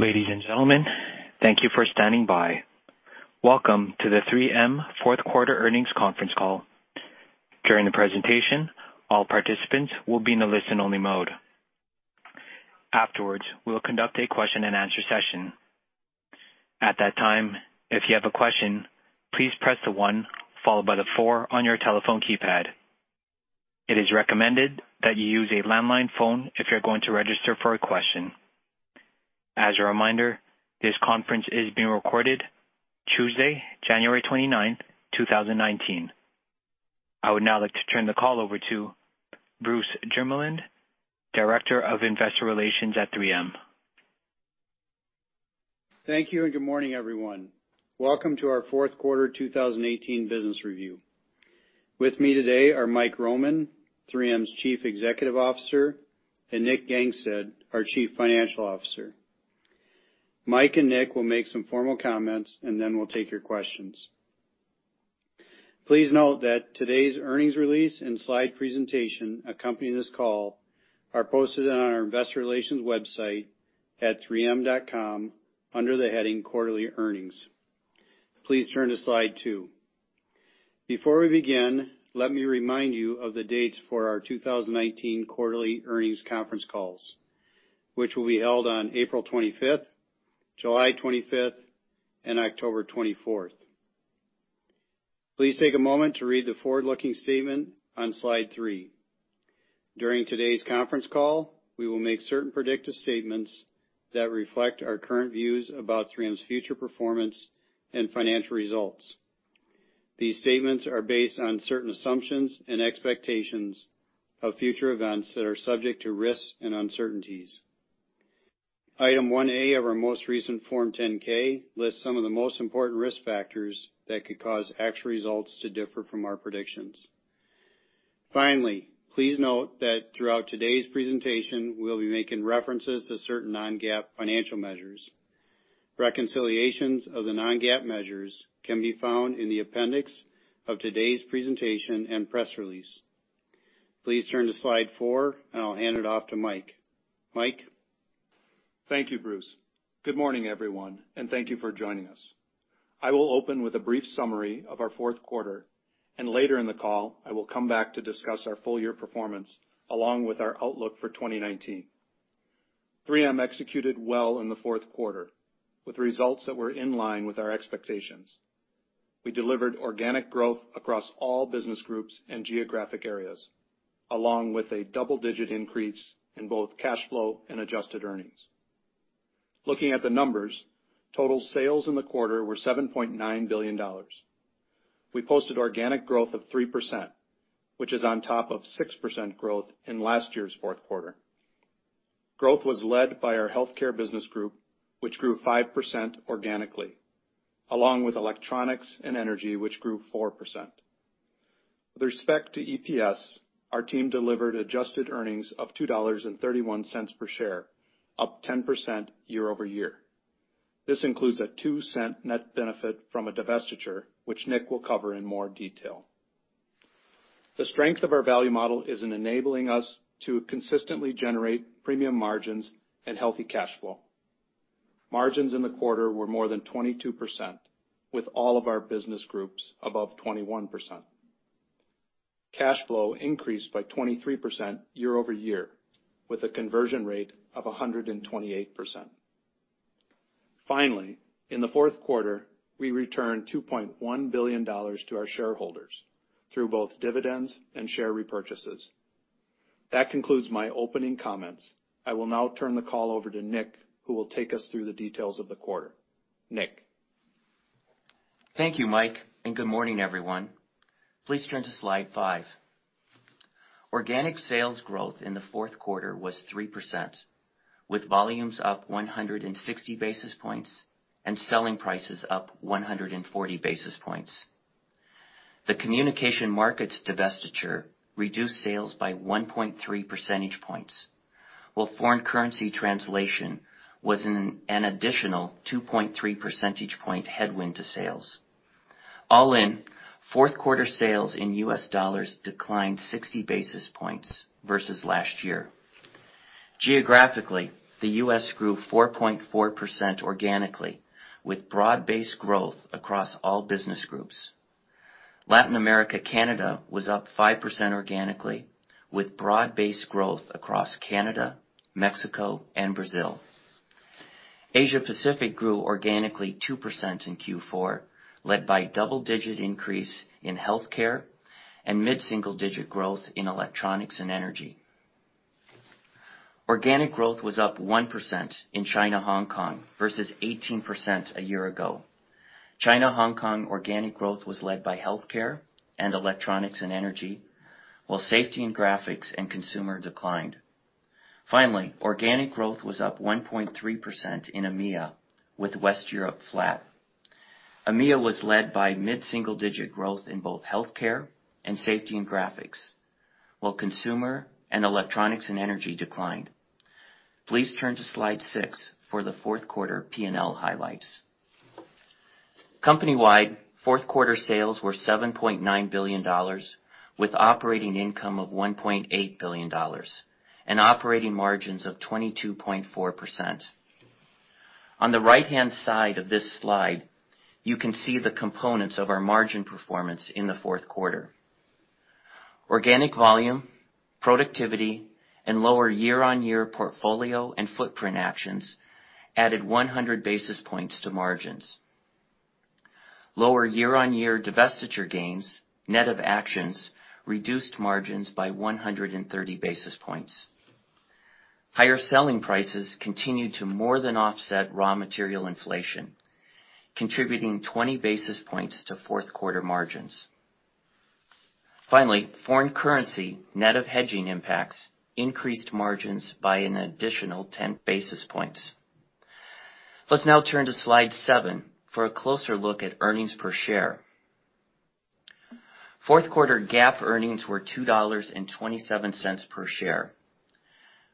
Ladies and gentlemen, thank you for standing by. Welcome to the 3M Q4 earnings conference call. During the presentation, all participants will be in the listen only mode. Afterwards, we will conduct a question and answer session. At that time, if you have a question, please press the one followed by the four on your telephone keypad. It is recommended that you use a landline phone if you're going to register for a question. As a reminder, this conference is being recorded Tuesday, January 29, 2019. I would now like to turn the call over to Bruce Jermeland, Director of Investor Relations at 3M. Thank you. Good morning, everyone. Welcome to our Q4 2018 business review. With me today are Mike Roman, 3M's Chief Executive Officer, and Nick Gangestad, our Chief Financial Officer. Mike Roman and Nick Gangestad will make some formal comments. Then we'll take your questions. Please note that today's earnings release and slide presentation accompanying this call are posted on our investor relations website at 3m.com under the heading Quarterly Earnings. Please turn to slide 2. Before we begin, let me remind you of the dates for our 2019 quarterly earnings conference calls, which will be held on April 25th, July 25th, and October 24th. Please take a moment to read the forward-looking statement on slide 3. During today's conference call, we will make certain predictive statements that reflect our current views about 3M's future performance and financial results. These statements are based on certain assumptions and expectations of future events that are subject to risks and uncertainties. Item 1A of our most recent Form 10-K lists some of the most important risk factors that could cause actual results to differ from our predictions. Finally, please note that throughout today's presentation, we'll be making references to certain non-GAAP financial measures. Reconciliations of the non-GAAP measures can be found in the appendix of today's presentation and press release. Please turn to slide 4. I'll hand it off to Mike. Mike? Thank you, Bruce. Good morning, everyone. Thank you for joining us. I will open with a brief summary of our Q4. Later in the call, I will come back to discuss our full year performance along with our outlook for 2019. 3M executed well in the Q4 with results that were in line with our expectations. We delivered organic growth across all business groups and geographic areas, along with a double-digit increase in both cash flow and adjusted earnings. Looking at the numbers, total sales in the quarter were $7.9 billion. We posted organic growth of 3%, which is on top of 6% growth in last year's Q4. Growth was led by our healthcare business group, which grew 5% organically, along with electronics and energy, which grew 4%. With respect to EPS, our team delivered adjusted earnings of $2.31 per share, up 10% year-over-year. This includes a $0.02 net benefit from a divestiture, which Nick Gangestad will cover in more detail. The strength of our value model is in enabling us to consistently generate premium margins and healthy cash flow. Margins in the quarter were more than 22% with all of our business groups above 21%. Cash flow increased by 23% year-over-year with a conversion rate of 128%. Finally, in the Q4, we returned $2.1 billion to our shareholders through both dividends and share repurchases. That concludes my opening comments. I will now turn the call over to Nick Gangestad, who will take us through the details of the quarter. Nick. Thank you, Mike Roman, and good morning, everyone. Please turn to slide 5. Organic sales growth in the Q4 was 3%, with volumes up 160 basis points and selling prices up 140 basis points. The Communication Markets divestiture reduced sales by 1.3 percentage points, while foreign currency translation was an additional 2.3 percentage point headwind to sales. All in, Q4 sales in U.S. dollars declined 60 basis points versus last year. Geographically, the U.S. grew 4.4% organically with broad-based growth across all business groups. Latin America, Canada was up 5% organically with broad-based growth across Canada, Mexico and Brazil. Asia-Pacific grew organically 2% in Q4, led by double-digit increase in healthcare and mid-single-digit growth in electronics and energy. Organic growth was up 1% in China/Hong Kong versus 18% a year ago. China/Hong Kong organic growth was led by healthcare and electronics and energy, while safety and graphics and consumer declined. Organic growth was up 1.3% in EMEA, with West Europe flat. EMEA was led by mid-single-digit growth in both healthcare and safety and graphics, while consumer and electronics and energy declined. Please turn to slide 6 for the Q4 P&L highlights. Company-wide, Q4 sales were $7.9 billion, with operating income of $1.8 billion and operating margins of 22.4%. On the right-hand side of this slide, you can see the components of our margin performance in the Q4. Organic volume, productivity, and lower year-on-year portfolio and footprint actions added 100 basis points to margins. Lower year-on-year divestiture gains, net of actions, reduced margins by 130 basis points. Higher selling prices continued to more than offset raw material inflation, contributing 20 basis points to Q4 margins. Foreign currency, net of hedging impacts, increased margins by an additional 10 basis points. Let's now turn to Slide 7 for a closer look at earnings per share. Q4 GAAP earnings were $2.27 per share.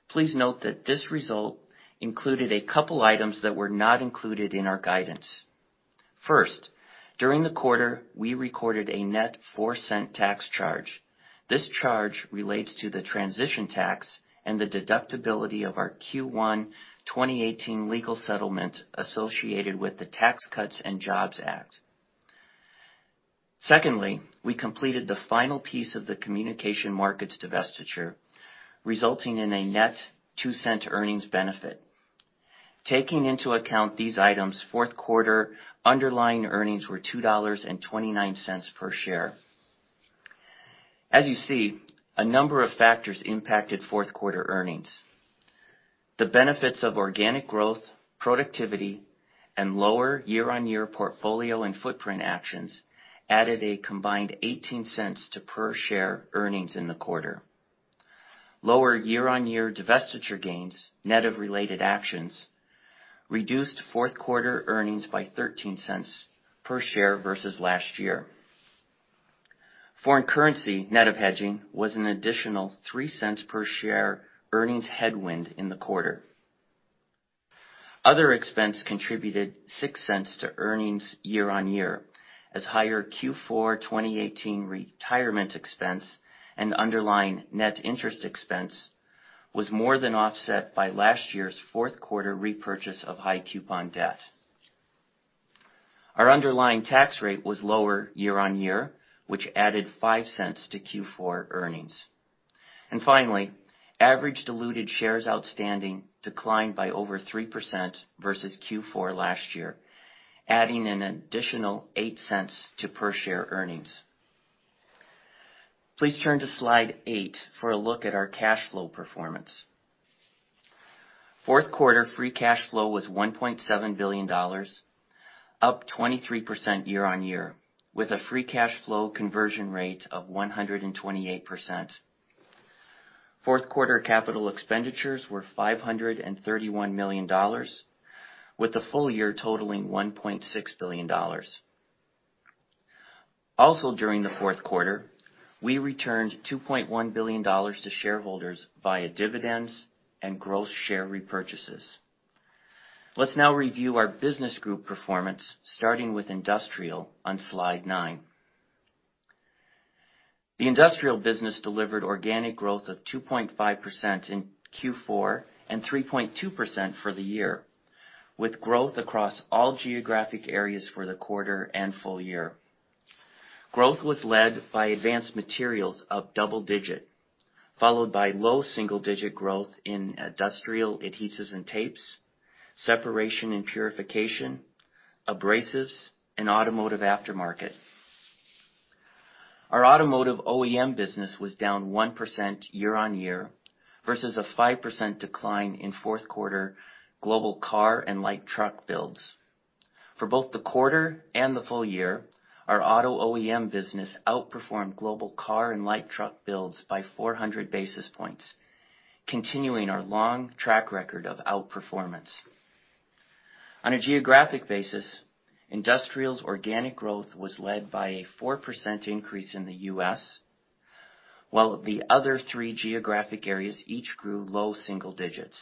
Please note that this result included a couple items that were not included in our guidance. First, during the quarter, we recorded a net $0.04 tax charge. This charge relates to the transition tax and the deductibility of our Q1 2018 legal settlement associated with the Tax Cuts and Jobs Act. Secondly, we completed the final piece of the Communication Markets divestiture, resulting in a net $0.02 earnings benefit. Taking into account these items, Q4 underlying earnings were $2.29 per share. As you see, a number of factors impacted Q4 earnings. The benefits of organic growth, productivity, and lower year-on-year portfolio and footprint actions added a combined $0.18 to per share earnings in the quarter. Lower year-on-year divestiture gains, net of related actions, reduced Q4 earnings by $0.13 per share versus last year. Foreign currency, net of hedging, was an additional $0.03 per share earnings headwind in the quarter. Other expense contributed $0.06 to earnings year-on-year, as higher Q4 2018 retirement expense and underlying net interest expense was more than offset by last year's Q4 repurchase of high coupon debt. Our underlying tax rate was lower year-on-year, which added $0.05 to Q4 earnings. Finally, average diluted shares outstanding declined by over 3% versus Q4 last year, adding an additional $0.08 to per share earnings. Please turn to Slide 8 for a look at our cash flow performance. Q4 free cash flow was $1.7 billion, up 23% year-on-year, with a free cash flow conversion rate of 128%. Q4 capital expenditures were $531 million, with the full year totaling $1.6 billion. Also during the Q4, we returned $2.1 billion to shareholders via dividends and gross share repurchases. Let's now review our business group performance, starting with Industrial on Slide 9. The Industrial business delivered organic growth of 2.5% in Q4 and 3.2% for the year, with growth across all geographic areas for the quarter and full year. Growth was led by Advanced Materials up double digits, followed by low double digit growth in Industrial Adhesives and Tapes, Separation and Purification, Abrasives, and Automotive Aftermarket. Our Automotive OEM business was down 1% year-on-year versus a 5% decline in Q4 global car and light truck builds. For both the quarter and the full year, our Auto OEM business outperformed global car and light truck builds by 400 basis points, continuing our long track record of outperformance. On a geographic basis, Industrial's organic growth was led by a 4% increase in the U.S., while the other three geographic areas each grew low single digits.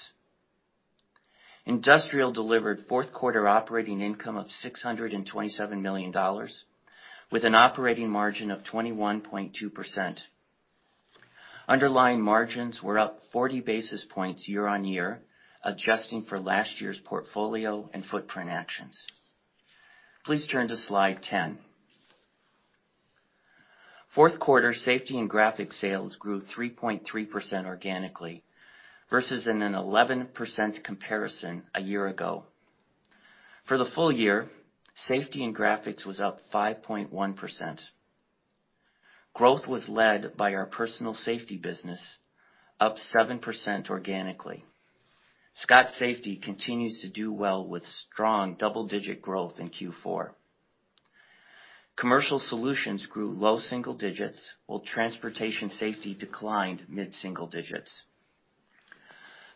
Industrial delivered Q4 operating income of $627 million with an operating margin of 21.2%. Underlying margins were up 40 basis points year-on-year, adjusting for last year's portfolio and footprint actions. Please turn to Slide 10. Q4 Safety and Graphics sales grew 3.3% organically versus an 11% comparison a year ago. For the full year, Safety and Graphics was up 5.1%. Growth was led by our personal safety business, up 7% organically. Scott Safety continues to do well with strong double-digit growth in Q4. Commercial Solutions grew low single digits, while Transportation Safety declined mid-single digits.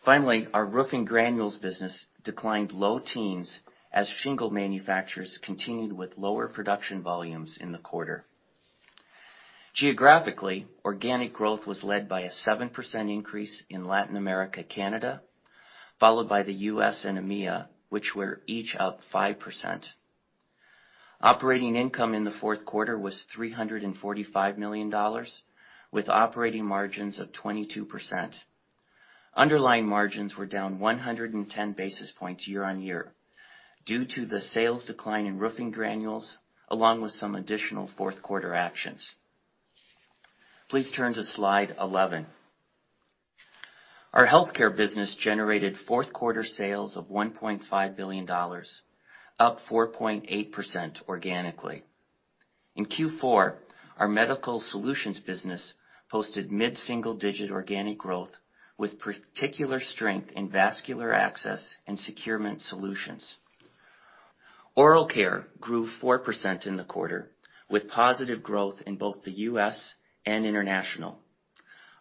Finally, our Roofing Granules business declined low teens as shingle manufacturers continued with lower production volumes in the quarter. Geographically, organic growth was led by a 7% increase in Latin America, Canada, followed by the U.S. and EMEA, which were each up 5%. Operating income in the Q4 was $345 million, with operating margins of 22%. Underlying margins were down 110 basis points year-on-year due to the sales decline in Roofing Granules, along with some additional Q4 actions. Please turn to Slide 11. Our healthcare business generated Q4 sales of $1.5 billion, up 4.8% organically. In Q4, our medical solutions business posted mid-single-digit organic growth with particular strength in vascular access and securement solutions. Oral Care grew 4% in the quarter, with positive growth in both the U.S. and international.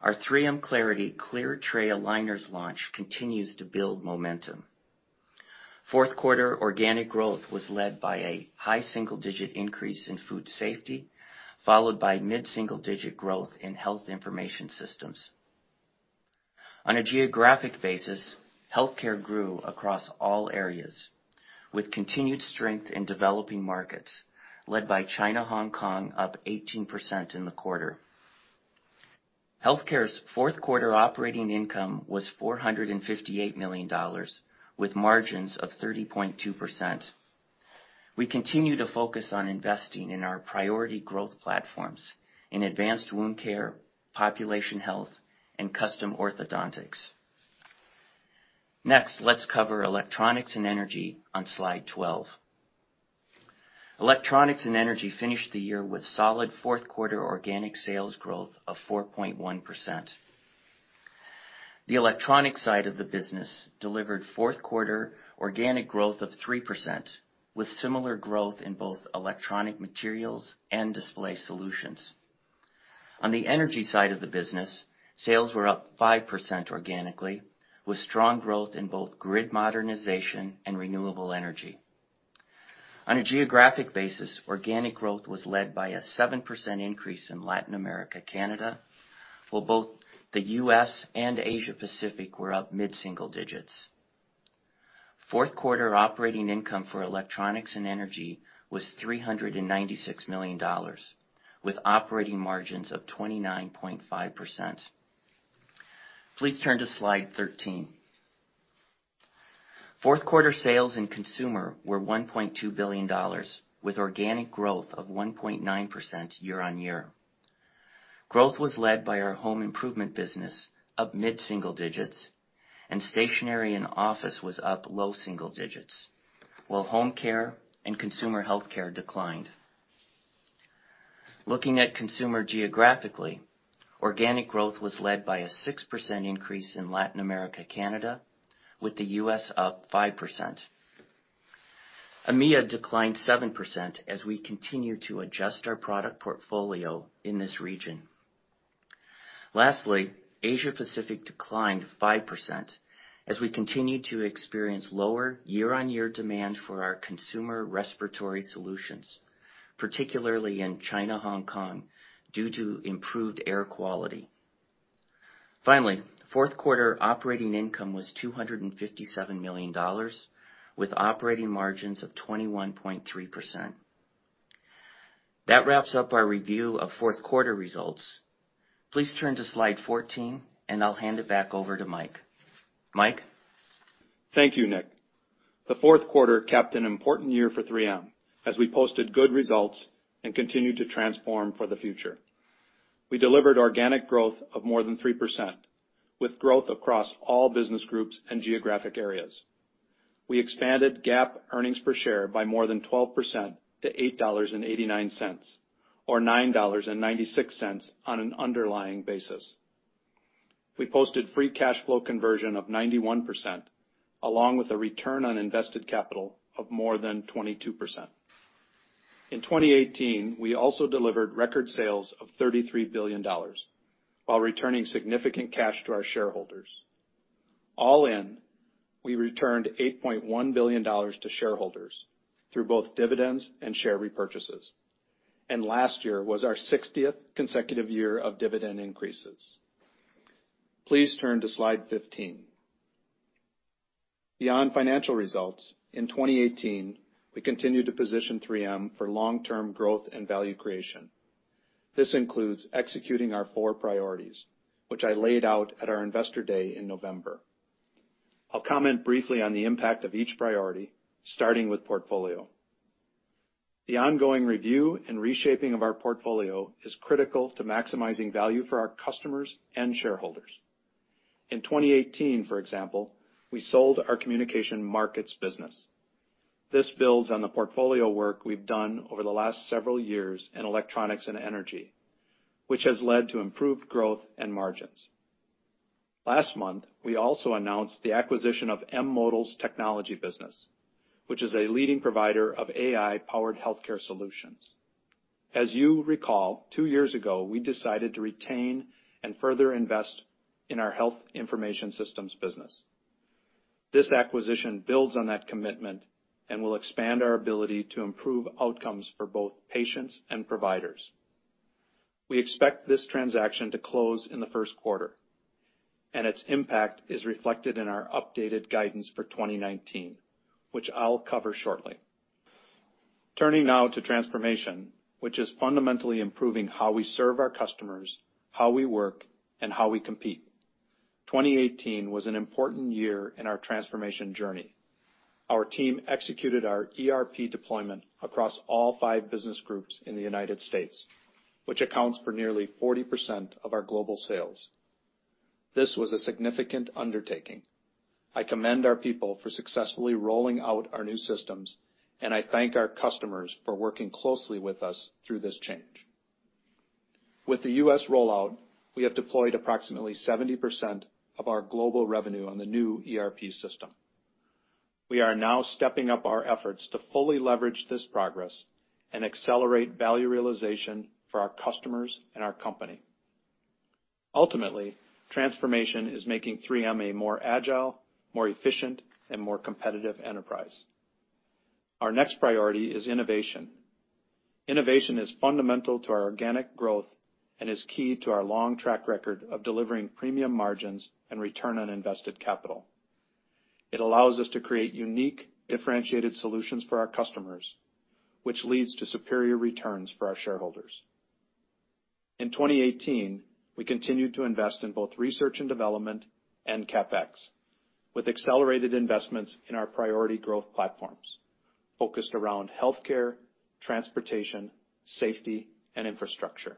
Our 3M Clarity Aligners launch continues to build momentum. Q4 organic growth was led by a high single-digit increase in food safety, followed by mid-single-digit growth in health information systems. On a geographic basis, healthcare grew across all areas, with continued strength in developing markets led by China/Hong Kong, up 18% in the quarter. Healthcare's Q4 operating income was $458 million with margins of 30.2%. We continue to focus on investing in our priority growth platforms in advanced wound care, population health, and custom orthodontics. Next, let's cover electronics and energy on slide 12. Electronics and energy finished the year with solid Q4 organic sales growth of 4.1%. The electronic side of the business delivered Q4 organic growth of 3%, with similar growth in both electronic materials and display solutions. On the energy side of the business, sales were up 5% organically, with strong growth in both grid modernization and renewable energy. On a geographic basis, organic growth was led by a 7% increase in Latin America/Canada, while both the U.S. and Asia-Pacific were up mid-single digits. Q4 operating income for electronics and energy was $396 million with operating margins of 29.5%. Please turn to slide 13. Q4 sales in consumer were $1.2 billion with organic growth of 1.9% year-on-year. Growth was led by our home improvement business, up mid-single digits, and stationary and office was up low single digits, while home care and consumer healthcare declined. Looking at consumer geographically, organic growth was led by a 6% increase in Latin America/Canada, with the U.S. up 5%. EMEA declined 7% as we continue to adjust our product portfolio in this region. Asia-Pacific declined 5% as we continue to experience lower year-on-year demand for our consumer respiratory solutions, particularly in China/Hong Kong, due to improved air quality. Q4 operating income was $257 million with operating margins of 21.3%. That wraps up our review of Q4 results. Please turn to slide 14 and I'll hand it back over to Mike Roman. Mike? Thank you, Nick Gangestad. The Q4 capped an important year for 3M as we posted good results and continued to transform for the future. We delivered organic growth of more than 3%, with growth across all business groups and geographic areas. We expanded GAAP earnings per share by more than 12% to $8.89, or $9.96 on an underlying basis. We posted free cash flow conversion of 91%, along with a return on invested capital of more than 22%. In 2018, we also delivered record sales of $33 billion while returning significant cash to our shareholders. All in, we returned $8.1 billion to shareholders through both dividends and share repurchases. Last year was our 60th consecutive year of dividend increases. Please turn to slide 15. Beyond financial results, in 2018, we continued to position 3M for long-term growth and value creation. This includes executing our four priorities, which I laid out at our Investor Day in November. I'll comment briefly on the impact of each priority, starting with portfolio. The ongoing review and reshaping of our portfolio is critical to maximizing value for our customers and shareholders. In 2018, for example, we sold our Communication Markets business. This builds on the portfolio work we've done over the last several years in electronics and energy, which has led to improved growth and margins. Last month, we also announced the acquisition of M*Modal's technology business, which is a leading provider of AI-powered healthcare solutions. As you recall, two years ago, we decided to retain and further invest in our Health Information Systems business. This acquisition builds on that commitment and will expand our ability to improve outcomes for both patients and providers. We expect this transaction to close in the Q1, and its impact is reflected in our updated guidance for 2019, which I'll cover shortly. Turning now to transformation, which is fundamentally improving how we serve our customers, how we work, and how we compete. 2018 was an important year in our transformation journey. Our team executed our ERP deployment across all five business groups in the U.S., which accounts for nearly 40% of our global sales. This was a significant undertaking. I commend our people for successfully rolling out our new systems, and I thank our customers for working closely with us through this change. With the U.S. rollout, we have deployed approximately 70% of our global revenue on the new ERP system. We are now stepping up our efforts to fully leverage this progress and accelerate value realization for our customers and our company. Ultimately, transformation is making 3M a more agile, more efficient, and more competitive enterprise. Our next priority is innovation. Innovation is fundamental to our organic growth and is key to our long track record of delivering premium margins and return on invested capital. It allows us to create unique, differentiated solutions for our customers, which leads to superior returns for our shareholders. In 2018, we continued to invest in both research and development and CapEx, with accelerated investments in our priority growth platforms, focused around healthcare, Transportation Safety, and infrastructure.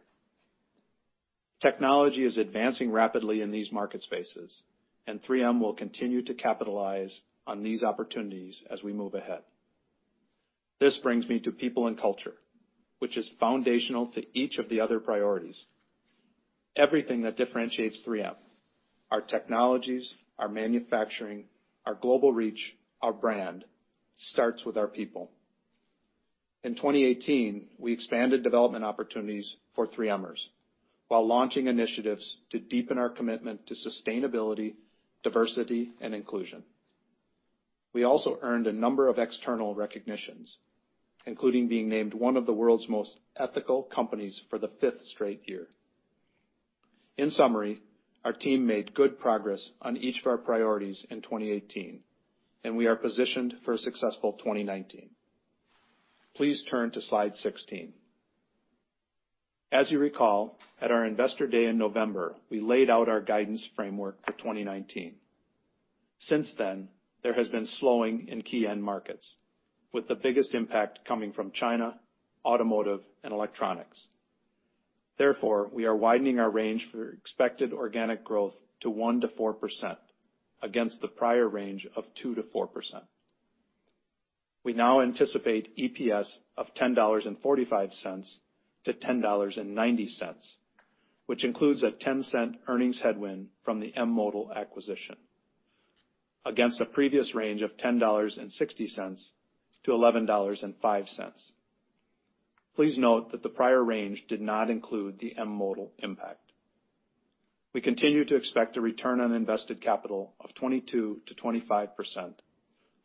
Technology is advancing rapidly in these market spaces, and 3M will continue to capitalize on these opportunities as we move ahead. This brings me to people and culture, which is foundational to each of the other priorities. Everything that differentiates 3M, our technologies, our manufacturing, our global reach, our brand, starts with our people. In 2018, we expanded development opportunities for 3Mers while launching initiatives to deepen our commitment to sustainability, diversity, and inclusion. We also earned a number of external recognitions, including being named one of the world's most ethical companies for the fifth straight year. In summary, our team made good progress on each of our priorities in 2018, and we are positioned for a successful 2019. Please turn to slide 16. As you recall, at our Investor Day in November, we laid out our guidance framework for 2019. Since then, there has been slowing in key end markets, with the biggest impact coming from China, Automotive Aftermarket, and electronics. Therefore, we are widening our range for expected organic growth to 1%-4% against the prior range of 2%-4%. We now anticipate EPS of $10.45-$10.90, which includes a $0.10 earnings headwind from the M*Modal acquisition, against a previous range of $10.60-$11.05. Please note that the prior range did not include the M*Modal impact. We continue to expect a return on invested capital of 22%-25%,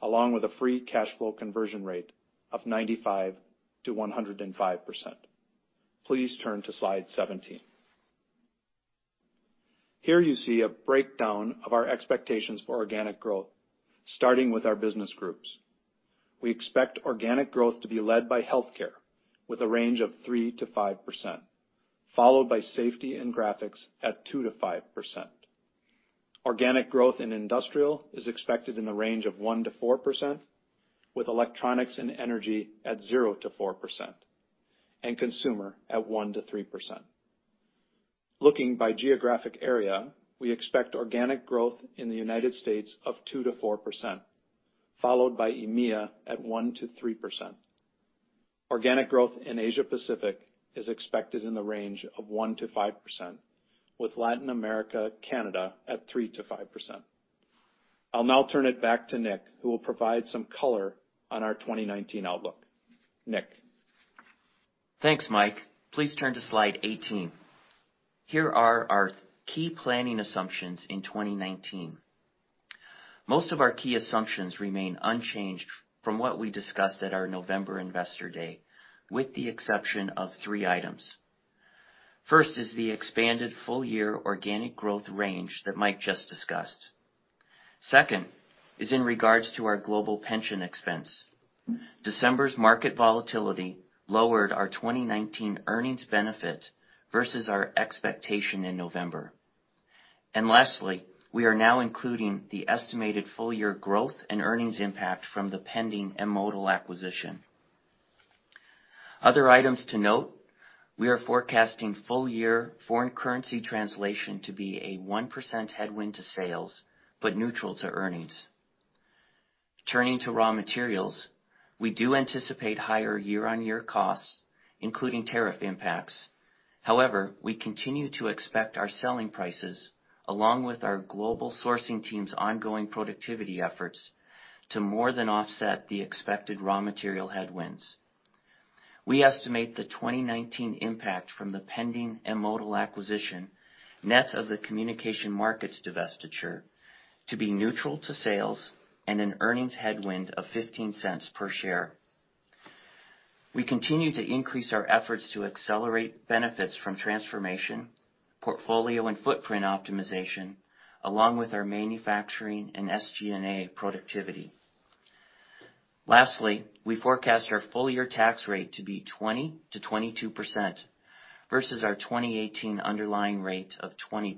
along with a free cash flow conversion rate of 95%-105%. Please turn to slide 17. Here you see a breakdown of our expectations for organic growth, starting with our business groups. We expect organic growth to be led by Health Care with a range of 3%-5%, followed by safety and graphics at 2%-5%. Organic growth in Industrial is expected in the range of 1%-4%, with electronics and energy at 0%-4%, and Consumer at 1%-3%. Looking by geographic area, we expect organic growth in the U.S. of 2%-4%, followed by EMEA at 1%-3%. Organic growth in Asia Pacific is expected in the range of 1%-5%, with Latin America/Canada at 3%-5%. I'll now turn it back to Nick Gangestad, who will provide some color on our 2019 outlook. Nick. Thanks, Mike Roman. Please turn to slide 18. Here are our key planning assumptions in 2019. Most of our key assumptions remain unchanged from what we discussed at our November investor day, with the exception of three items. First is the expanded full-year organic growth range that Mike just discussed. Second is in regards to our global pension expense. December's market volatility lowered our 2019 earnings benefit versus our expectation in November. Lastly, we are now including the estimated full-year growth and earnings impact from the pending M*Modal acquisition. Other items to note, we are forecasting full-year foreign currency translation to be a 1% headwind to sales, but neutral to earnings. Turning to raw materials, we do anticipate higher year-on-year costs, including tariff impacts. However, we continue to expect our selling prices, along with our global sourcing team's ongoing productivity efforts, to more than offset the expected raw material headwinds. We estimate the 2019 impact from the pending M*Modal acquisition, net of the Communication Markets divestiture, to be neutral to sales and an earnings headwind of $0.15 per share. We continue to increase our efforts to accelerate benefits from transformation, portfolio and footprint optimization, along with our manufacturing and SG&A productivity. Lastly, we forecast our full-year tax rate to be 20%-22% versus our 2018 underlying rate of 20%.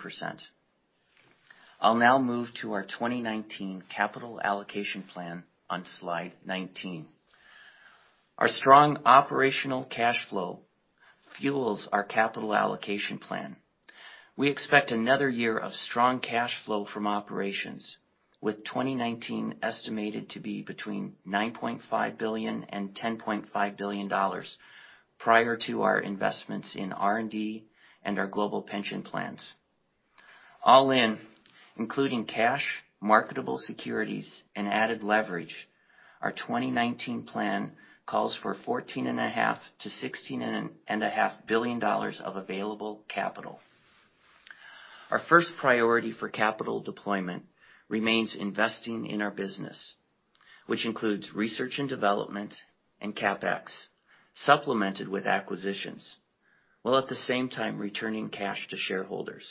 I'll now move to our 2019 capital allocation plan on slide 19. Our strong operational cash flow fuels our capital allocation plan. We expect another year of strong cash flow from operations, with 2019 estimated to be between $9.5 billion and $10.5 billion, prior to our investments in R&D and our global pension plans. All in, including cash, marketable securities and added leverage, our 2019 plan calls for $14.5 billion-$16.5 billion of available capital. Our first priority for capital deployment remains investing in our business, which includes research and development and CapEx, supplemented with acquisitions, while at the same time returning cash to shareholders.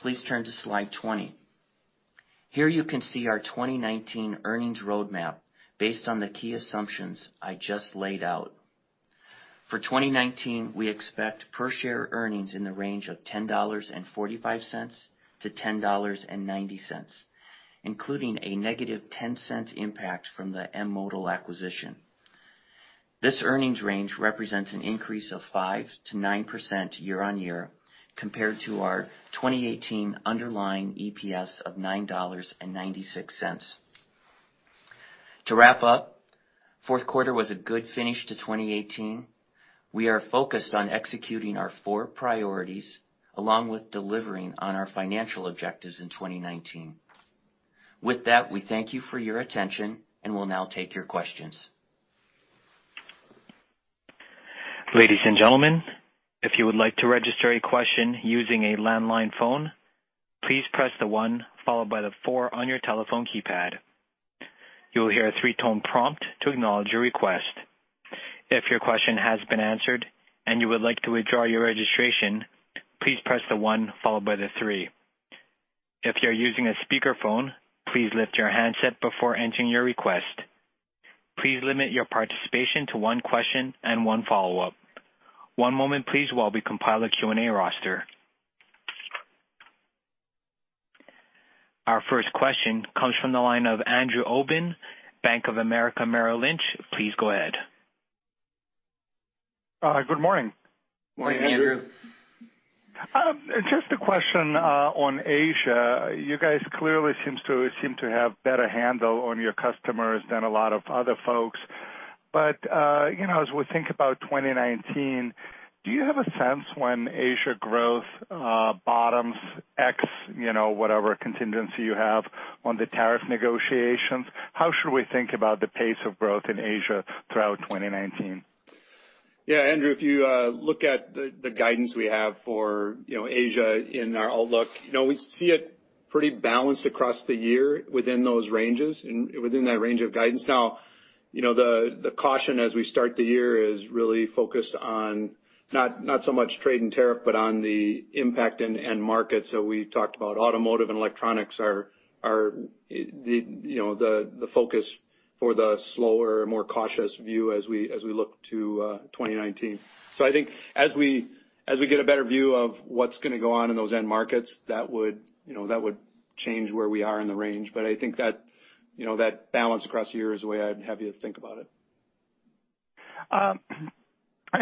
Please turn to slide 20. Here you can see our 2019 earnings roadmap based on the key assumptions I just laid out. For 2019, we expect per-share earnings in the range of $10.45-$10.90, including a -$0.10 impact from the M*Modal acquisition. This earnings range represents an increase of 5%-9% year-over-year compared to our 2018 underlying EPS of $9.96. To wrap up, Q4 was a good finish to 2018. We are focused on executing our four priorities along with delivering on our financial objectives in 2019. With that, we thank you for your attention and will now take your questions. Ladies and gentlemen, if you would like to register a question using a landline phone, please press the one followed by the four on your telephone keypad. You will hear a three-tone prompt to acknowledge your request. If your question has been answered and you would like to withdraw your registration, please press the one followed by the three. If you're using a speakerphone, please lift your handset before entering your request. Please limit your participation to one question and one follow-up. One moment, please, while we compile a Q&A roster. Our first question comes from the line of Andrew Obin, Bank of America Merrill Lynch. Please go ahead. Good morning. Morning, Andrew. Just a question on Asia. You guys clearly seem to have better handle on your customers than a lot of other folks. As we think about 2019, do you have a sense when Asia growth bottoms ex whatever contingency you have on the tariff negotiations? How should we think about the pace of growth in Asia throughout 2019? Andrew, if you look at the guidance we have for Asia in our outlook, we see it pretty balanced across the year within that range of guidance. The caution as we start the year is really focused on not so much trade and tariff, but on the impact in end markets. We talked about automotive and electronics are the focus for the slower, more cautious view as we look to 2019. I think as we get a better view of what's going to go on in those end markets, that would change where we are in the range. I think that balance across the year is the way I'd have you think about it.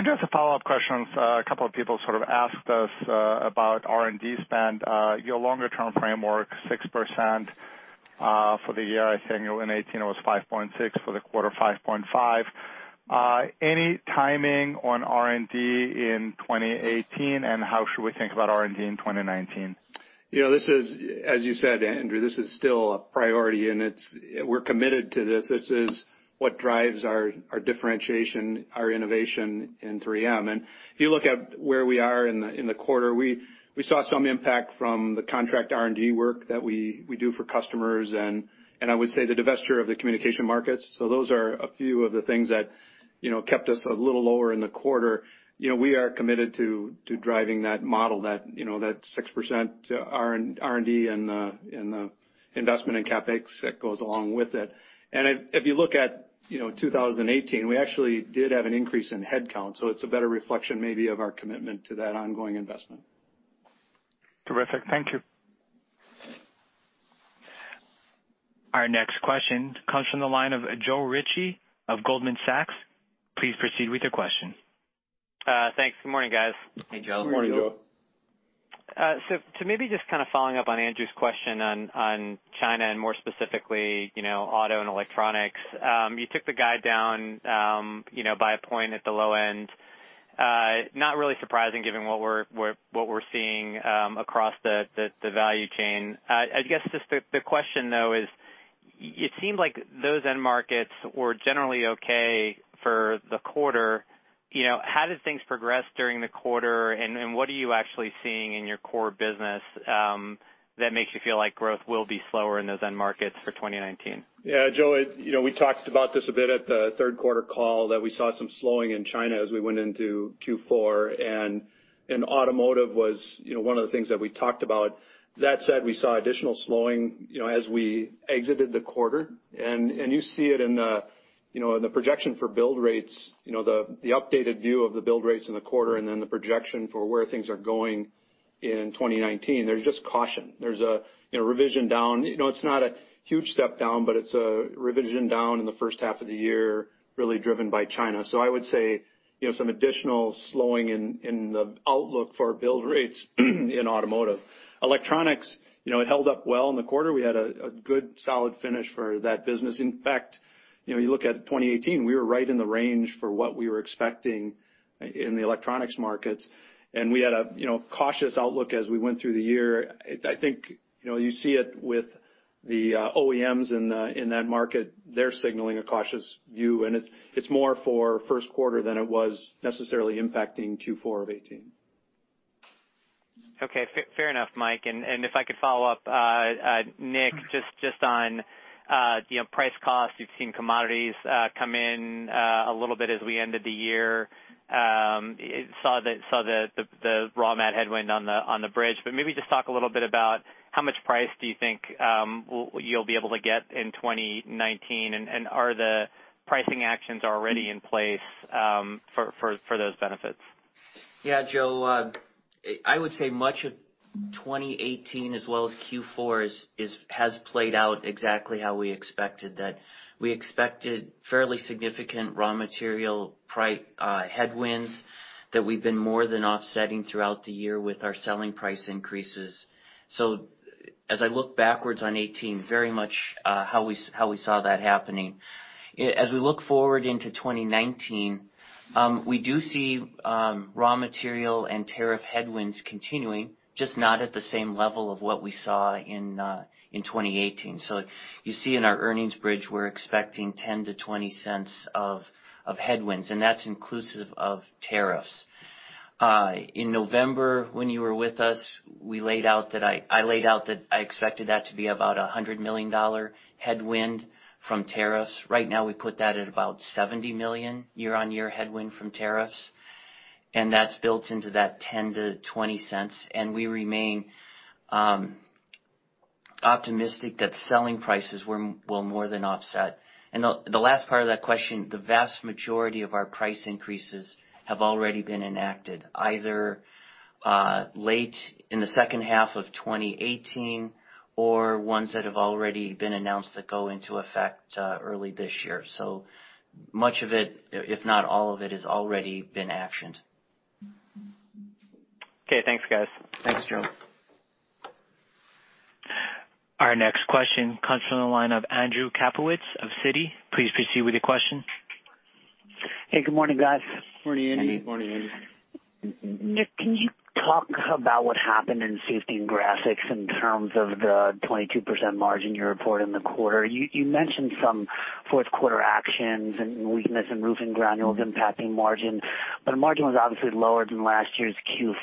Just a follow-up question. A couple of people sort of asked us about R&D spend. Your longer-term framework, 6% for the year. I think in 2018 it was 5.6%, for the quarter 5.5%. Any timing on R&D in 2018, and how should we think about R&D in 2019? As you said, Andrew, this is still a priority, and we're committed to this. This is what drives our differentiation, our innovation in 3M. If you look at where we are in the quarter, we saw some impact from the contract R&D work that we do for customers and I would say the divesture of the Communication Markets. Those are a few of the things that kept us a little lower in the quarter. We are committed to driving that model, that 6% R&D and the investment in CapEx that goes along with it. If you look at 2018, we actually did have an increase in headcount. It's a better reflection maybe of our commitment to that ongoing investment. Terrific. Thank you. Our next question comes from the line of Joe Ritchie of Goldman Sachs. Please proceed with your question. Thanks. Good morning, guys. Hey, Joe Ritchie. Morning, Joe Ritchie. Maybe just kind of following up on Andrew's question on China and more specifically, auto and electronics. You took the guide down by a point at the low end. Not really surprising given what we're seeing across the value chain. I guess just the question, though, is it seemed like those end markets were generally okay for the quarter. How did things progress during the quarter, and what are you actually seeing in your core business that makes you feel like growth will be slower in those end markets for 2019? Yeah, Joe Ritchie, we talked about this a bit at the Q3 call that we saw some slowing in China as we went into Q4, and automotive was one of the things that we talked about. That said, we saw additional slowing as we exited the quarter, and you see it in the projection for build rates, the updated view of the build rates in the quarter, and then the projection for where things are going in 2019. There's just caution. There's a revision down. It's not a huge step down, but it's a revision down in the H1 of the year, really driven by China. I would say some additional slowing in the outlook for build rates in automotive. Electronics, it held up well in the quarter. We had a good, solid finish for that business. You look at 2018, we were right in the range for what we were expecting in the electronics markets. We had a cautious outlook as we went through the year. I think you see it with the OEMs in that market. They're signaling a cautious view. It's more for Q1 than it was necessarily impacting Q4 of 2018. Okay. Fair enough, Mike Roman. If I could follow up, Nick Gangestad, just on price cost. You've seen commodities come in a little bit as we ended the year, saw the raw mat headwind on the bridge. Maybe just talk a little bit about how much price do you think you'll be able to get in 2019. Are the pricing actions already in place for those benefits? Yeah, Joe Ritchie. I would say much of 2018 as well as Q4 has played out exactly how we expected, that we expected fairly significant raw material price headwinds that we've been more than offsetting throughout the year with our selling price increases. As I look backwards on 2018, very much how we saw that happening. As we look forward into 2019, we do see raw material and tariff headwinds continuing, just not at the same level of what we saw in 2018. You see in our earnings bridge, we're expecting $0.10-$0.20 of headwinds. That's inclusive of tariffs. In November, when you were with us, I laid out that I expected that to be about $100 million headwind from tariffs. Right now, we put that at about $70 million year-on-year headwind from tariffs. That's built into that $0.10-$0.20. We remain optimistic that selling prices will more than offset. The last part of that question, the vast majority of our price increases have already been enacted, either late in the H2 of 2018 or ones that have already been announced that go into effect early this year. Much of it, if not all of it, has already been actioned. Okay. Thanks, guys. Thanks, Joe Ritchie. Our next question comes from the line of Andrew Kaplowitz of Citi. Please proceed with your question. Hey, good morning, guys. Morning, Andrew Kaplowitz. Morning. Nick Gangestad, can you talk about what happened in Safety and Graphics in terms of the 22% margin you report in the quarter? You mentioned some Q4 actions and weakness in Roofing Granules impacting margin, but the margin was obviously lower than last year's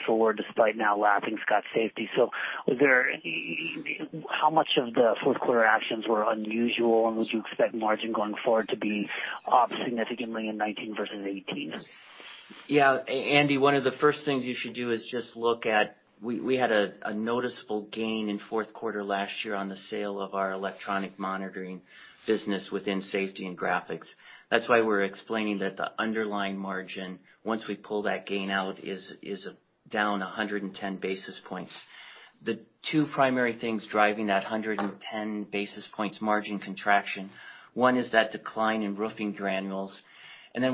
Q4, despite now lapping Scott Safety. How much of the Q4 actions were unusual, and would you expect margin going forward to be up significantly in 2019 versus 2018? Yeah, Andrew Kaplowitz, one of the first things you should do is just look at, we had a noticeable gain in Q4 last year on the sale of our electronic monitoring business within Safety and Graphics. That's why we're explaining that the underlying margin, once we pull that gain out, is down 110 basis points. The two primary things driving that 110 basis points margin contraction, one is that decline in Roofing Granules.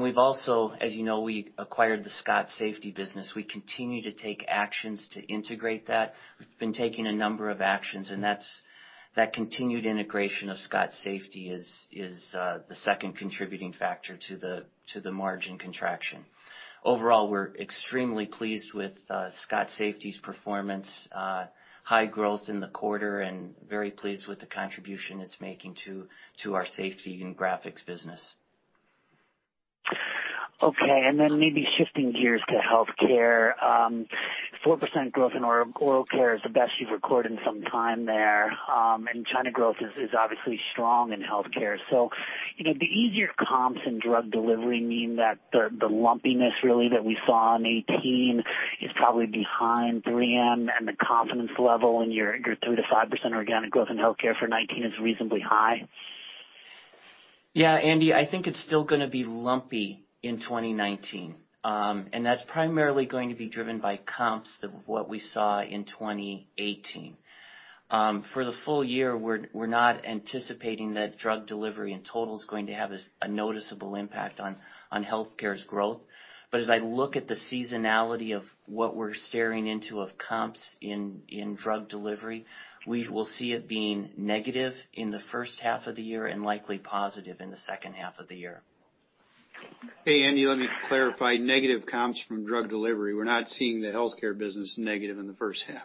We've also, as you know, we acquired the Scott Safety business. We continue to take actions to integrate that. We've been taking a number of actions, and that continued integration of Scott Safety is the second contributing factor to the margin contraction. Overall, we're extremely pleased with Scott Safety's performance, high growth in the quarter, and very pleased with the contribution it's making to our Safety and Graphics business. Okay, maybe shifting gears to healthcare. 4% growth in oral care is the best you've recorded in some time there, and China growth is obviously strong in healthcare. The easier comps in drug delivery mean that the lumpiness really that we saw in 2018 is probably behind 3M and the confidence level in your 3%-5% organic growth in healthcare for 2019 is reasonably high? Yeah, Andrew Kaplowitz, I think it's still going to be lumpy in 2019. That's primarily going to be driven by comps of what we saw in 2018. For the full year, we're not anticipating that drug delivery in total is going to have a noticeable impact on healthcare's growth. As I look at the seasonality of what we're staring into of comps in drug delivery, we will see it being negative in the H1 of the year and likely positive in the H2 of the year. Hey, Andrew Kaplowitz let me clarify. Negative comps from drug delivery. We're not seeing the healthcare business negative in the H1.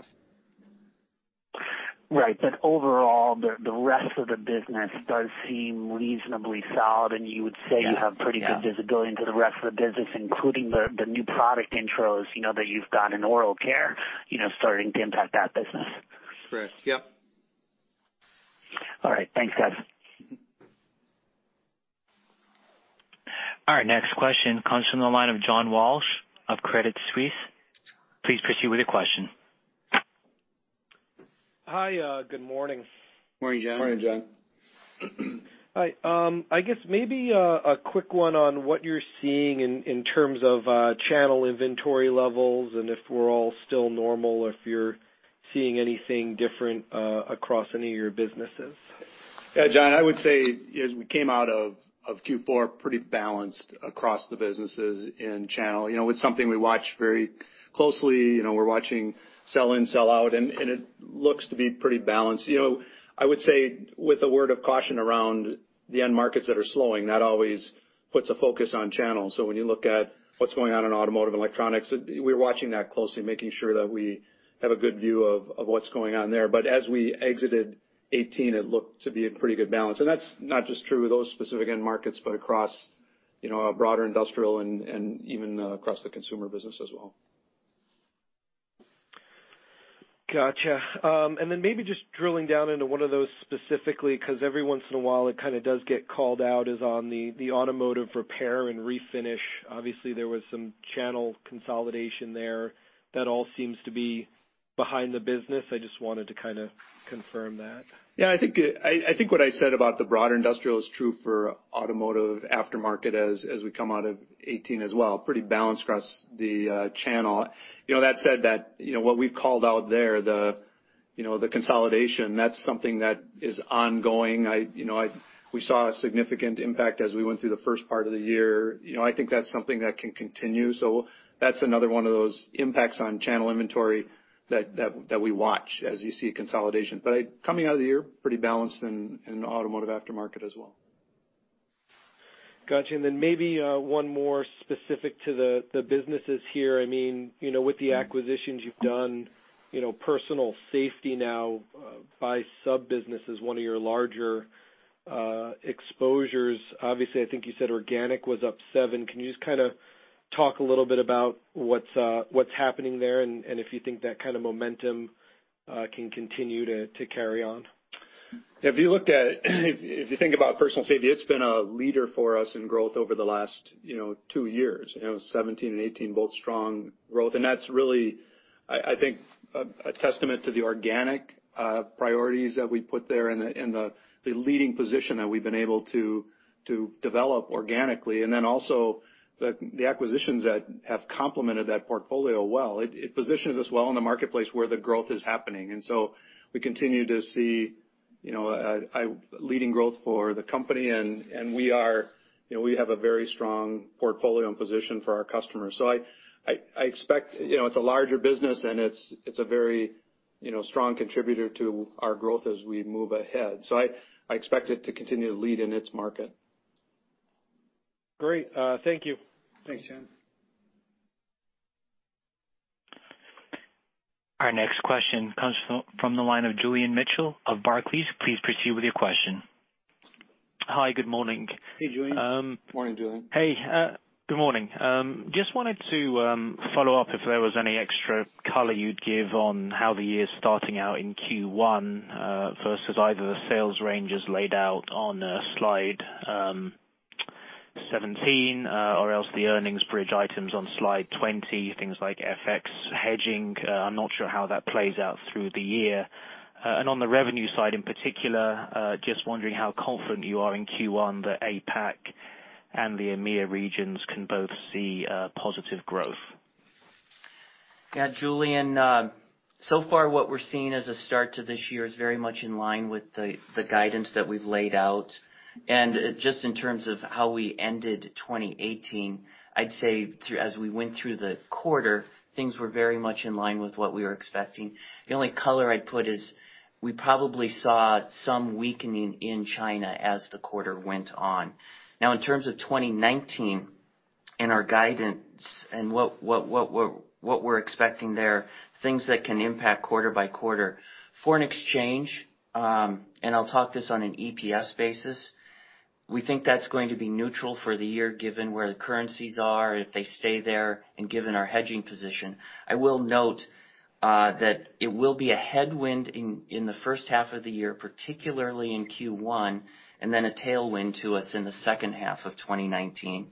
Right. Overall, the rest of the business does seem reasonably solid, and you would say you have pretty good visibility into the rest of the business, including the new product intros, that you've got in oral care, starting to impact that business. Correct. Yep. All right, thanks, guys. All right, next question comes from the line of John Walsh of Credit Suisse. Please proceed with your question. Hi, good morning. Morning, John Walsh. Morning, John Walsh. Hi. I guess maybe a quick one on what you're seeing in terms of channel inventory levels, and if we're all still normal, or if you're seeing anything different across any of your businesses. Yeah, John Walsh, I would say, as we came out of Q4 pretty balanced across the businesses in channel. It's something we watch very closely. We're watching sell in, sell out, and it looks to be pretty balanced. I would say, with a word of caution around the end markets that are slowing, that always puts a focus on channel. When you look at what's going on in automotive electronics, we're watching that closely, making sure that we have a good view of what's going on there. As we exited 2018, it looked to be a pretty good balance. That's not just true of those specific end markets, but across a broader industrial, and even across the consumer business as well. Gotcha. Maybe just drilling down into one of those specifically, because every once in a while, it kind of does get called out, is on the automotive repair and refinish. Obviously, there was some channel consolidation there. That all seems to be behind the business. I just wanted to kind of confirm that. Yeah, I think what I said about the broader industrial is true for Automotive Aftermarket as we come out of 2018 as well. Pretty balanced across the channel. That said, what we've called out there, the consolidation, that's something that is ongoing. We saw a significant impact as we went through the first part of the year. I think that's something that can continue. That's another one of those impacts on channel inventory that we watch as you see a consolidation. Coming out of the year, pretty balanced in Automotive Aftermarket as well. Got you. Then maybe one more specific to the businesses here. With the acquisitions you've done, Personal Safety now by sub-business is one of your larger exposures. Obviously, I think you said organic was up 7%. Can you just kind of talk a little bit about what's happening there, and if you think that kind of momentum can continue to carry on? If you think about Personal Safety, it's been a leader for us in growth over the last two years. 2017 and 2018, both strong growth. That's really, I think, a testament to the organic priorities that we put there and the leading position that we've been able to develop organically. Then also the acquisitions that have complemented that portfolio well. It positions us well in the marketplace where the growth is happening. So we continue to see leading growth for the company, and we have a very strong portfolio and position for our customers. I expect it's a larger business, and it's a very strong contributor to our growth as we move ahead. I expect it to continue to lead in its market. Great. Thank you. Thanks, John Walsh. Our next question comes from the line of Julian Mitchell of Barclays. Please proceed with your question. Hi, good morning. Hey, Julian. Morning, Julian. Hey, good morning. Just wanted to follow up if there was any extra color you'd give on how the year's starting out in Q1 versus either the sales ranges laid out on slide 17 or else the earnings bridge items on slide 20, things like FX hedging. I'm not sure how that plays out through the year. On the revenue side, in particular, just wondering how confident you are in Q1 that APAC and the EMEA regions can both see a positive growth. Yeah, Julian. So far, what we're seeing as a start to this year is very much in line with the guidance that we've laid out. just in terms of how we ended 2018, I'd say as we went through the quarter, things were very much in line with what we were expecting. The only color I'd put is we probably saw some weakening in China as the quarter went on. Now, in terms of 2019 and our guidance and what we're expecting there, things that can impact quarter-by-quarter. Foreign exchange, and I'll talk this on an EPS basis, we think that's going to be neutral for the year, given where the currencies are, if they stay there, and given our hedging position. I will note that it will be a headwind in the H1 of the year, particularly in Q1, and then a tailwind to us in the H2 of 2019.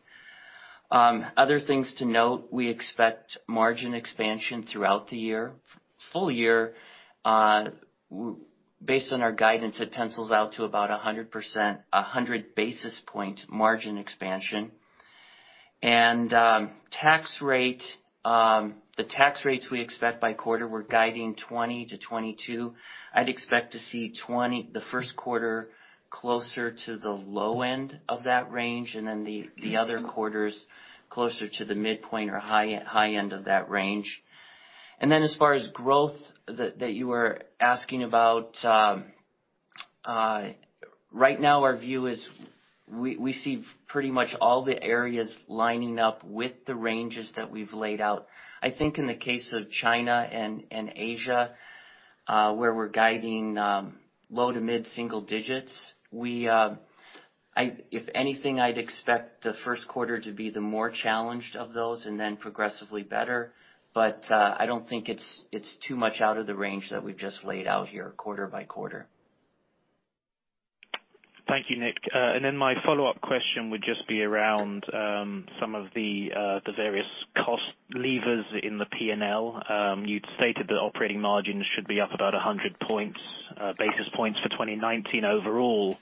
Other things to note, we expect margin expansion throughout the year. Full year, based on our guidance, it pencils out to about 100 basis point margin expansion. the tax rates we expect by quarter, we're guiding 20 to 22. I'd expect to see 20 in the Q1 closer to the low end of that range, and then the other quarters closer to the midpoint or high end of that range. then as far as growth that you were asking about right now our view is we see pretty much all the areas lining up with the ranges that we've laid out. I think in the case of China and Asia, where we're guiding low to mid single digits, if anything, I'd expect the Q1 to be the more challenged of those and then progressively better. I don't think it's too much out of the range that we've just laid out here quarter-by-quarter. Thank you, Nick. then my follow-up question would just be around some of the various cost levers in the P&L. You'd stated that operating margins should be up about 100 basis points for 2019 overall.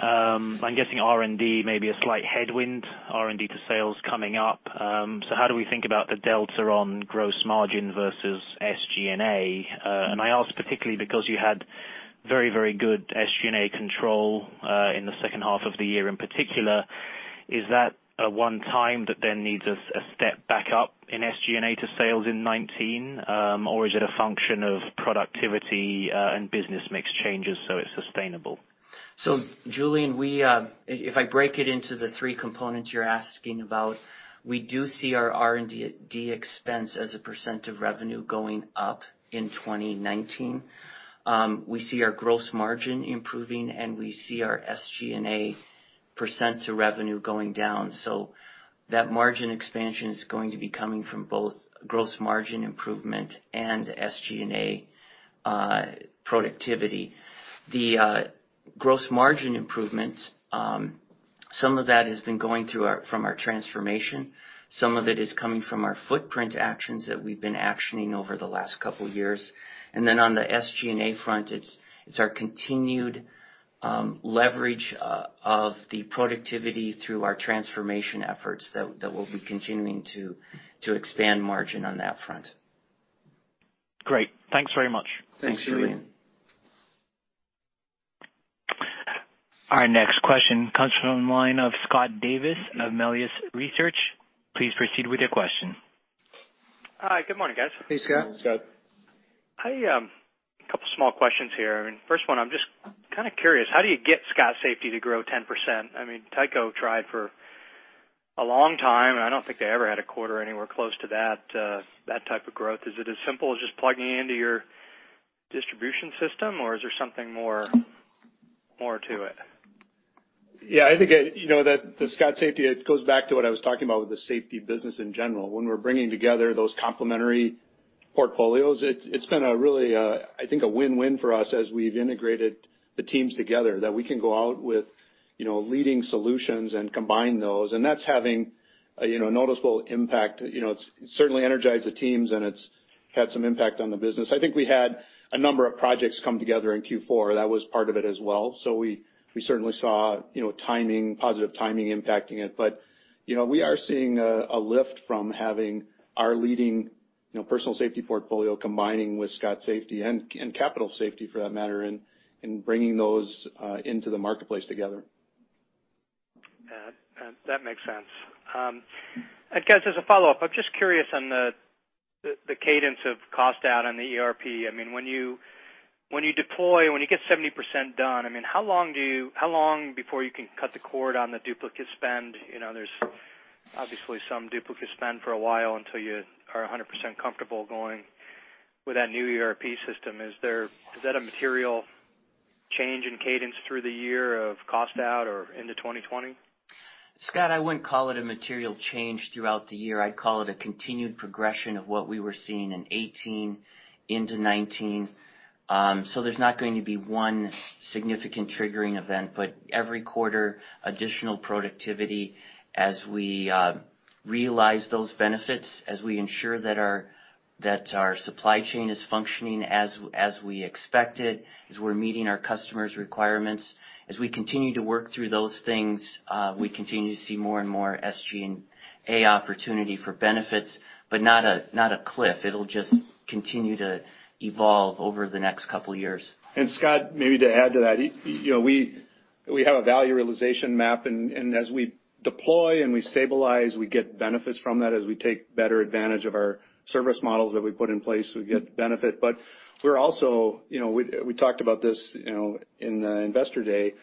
I'm guessing R&D may be a slight headwind, R&D to sales coming up. how do we think about the delta on gross margin versus SG&A? I ask particularly because you had very good SG&A control in the H2 of the year. In particular, is that a one time that then needs a step back up in SG&A to sales in '19? is it a function of productivity and business mix changes so it's sustainable? Julian, if I break it into the three components you're asking about, we do see our R&D expense as a percent of revenue going up in 2019. We see our gross margin improving, and we see our SG&A percent to revenue going down. That margin expansion is going to be coming from both gross margin improvement and SG&A productivity. The gross margin improvements, some of that has been going from our transformation. Some of it is coming from our footprint actions that we've been actioning over the last couple of years. On the SG&A front, it's our continued leverage of the productivity through our transformation efforts that will be continuing to expand margin on that front. Great. Thanks very much. Thanks, Julian. Thanks, Julian. Our next question comes from the line of Scott Davis of Melius Research. Please proceed with your question. Hi, good morning, guys. Hey, Scott Davis. Hey, Scott. A couple small questions here. First one, I'm just kind of curious, how do you get Scott Safety to grow 10%? Tyco tried for a long time, and I don't think they ever had a quarter anywhere close to that type of growth. Is it as simple as just plugging into your distribution system, or is there something more to it? Yeah, I think the Scott Safety, it goes back to what I was talking about with the safety business in general. When we're bringing together those complementary portfolios, it's been a really, I think, a win-win for us as we've integrated the teams together. That we can go out with leading solutions and combine those. And that's having a noticeable impact. It's certainly energized the teams, and it's had some impact on the business. I think we had a number of projects come together in Q4. That was part of it as well. We certainly saw positive timing impacting it. But we are seeing a lift from having our leading personal safety portfolio combining with Scott Safety and Capital Safety, for that matter, and bringing those into the marketplace together. That makes sense. Guys, as a follow-up, I'm just curious on the cadence of cost out on the ERP. When you deploy, when you get 70% done, how long before you can cut the cord on the duplicate spend? There's obviously some duplicate spend for a while until you are 100% comfortable going with that new ERP system. Is that a material change in cadence through the year of cost out or into 2020? Scott, I wouldn't call it a material change throughout the year. I'd call it a continued progression of what we were seeing in 2018 into 2019. So there's not going to be one significant triggering event, but every quarter, additional productivity as we realize those benefits, as we ensure that our supply chain is functioning as we expected, as we're meeting our customers' requirements. As we continue to work through those things, we continue to see more and more SG&A opportunity for benefits, but not a cliff. It'll just continue to evolve over the next couple of years. Scott, maybe to add to that. We have a value realization map, and as we deploy and we stabilize, we get benefits from that as we take better advantage of our service models that we put in place, we get benefit. We talked about this in the investor day,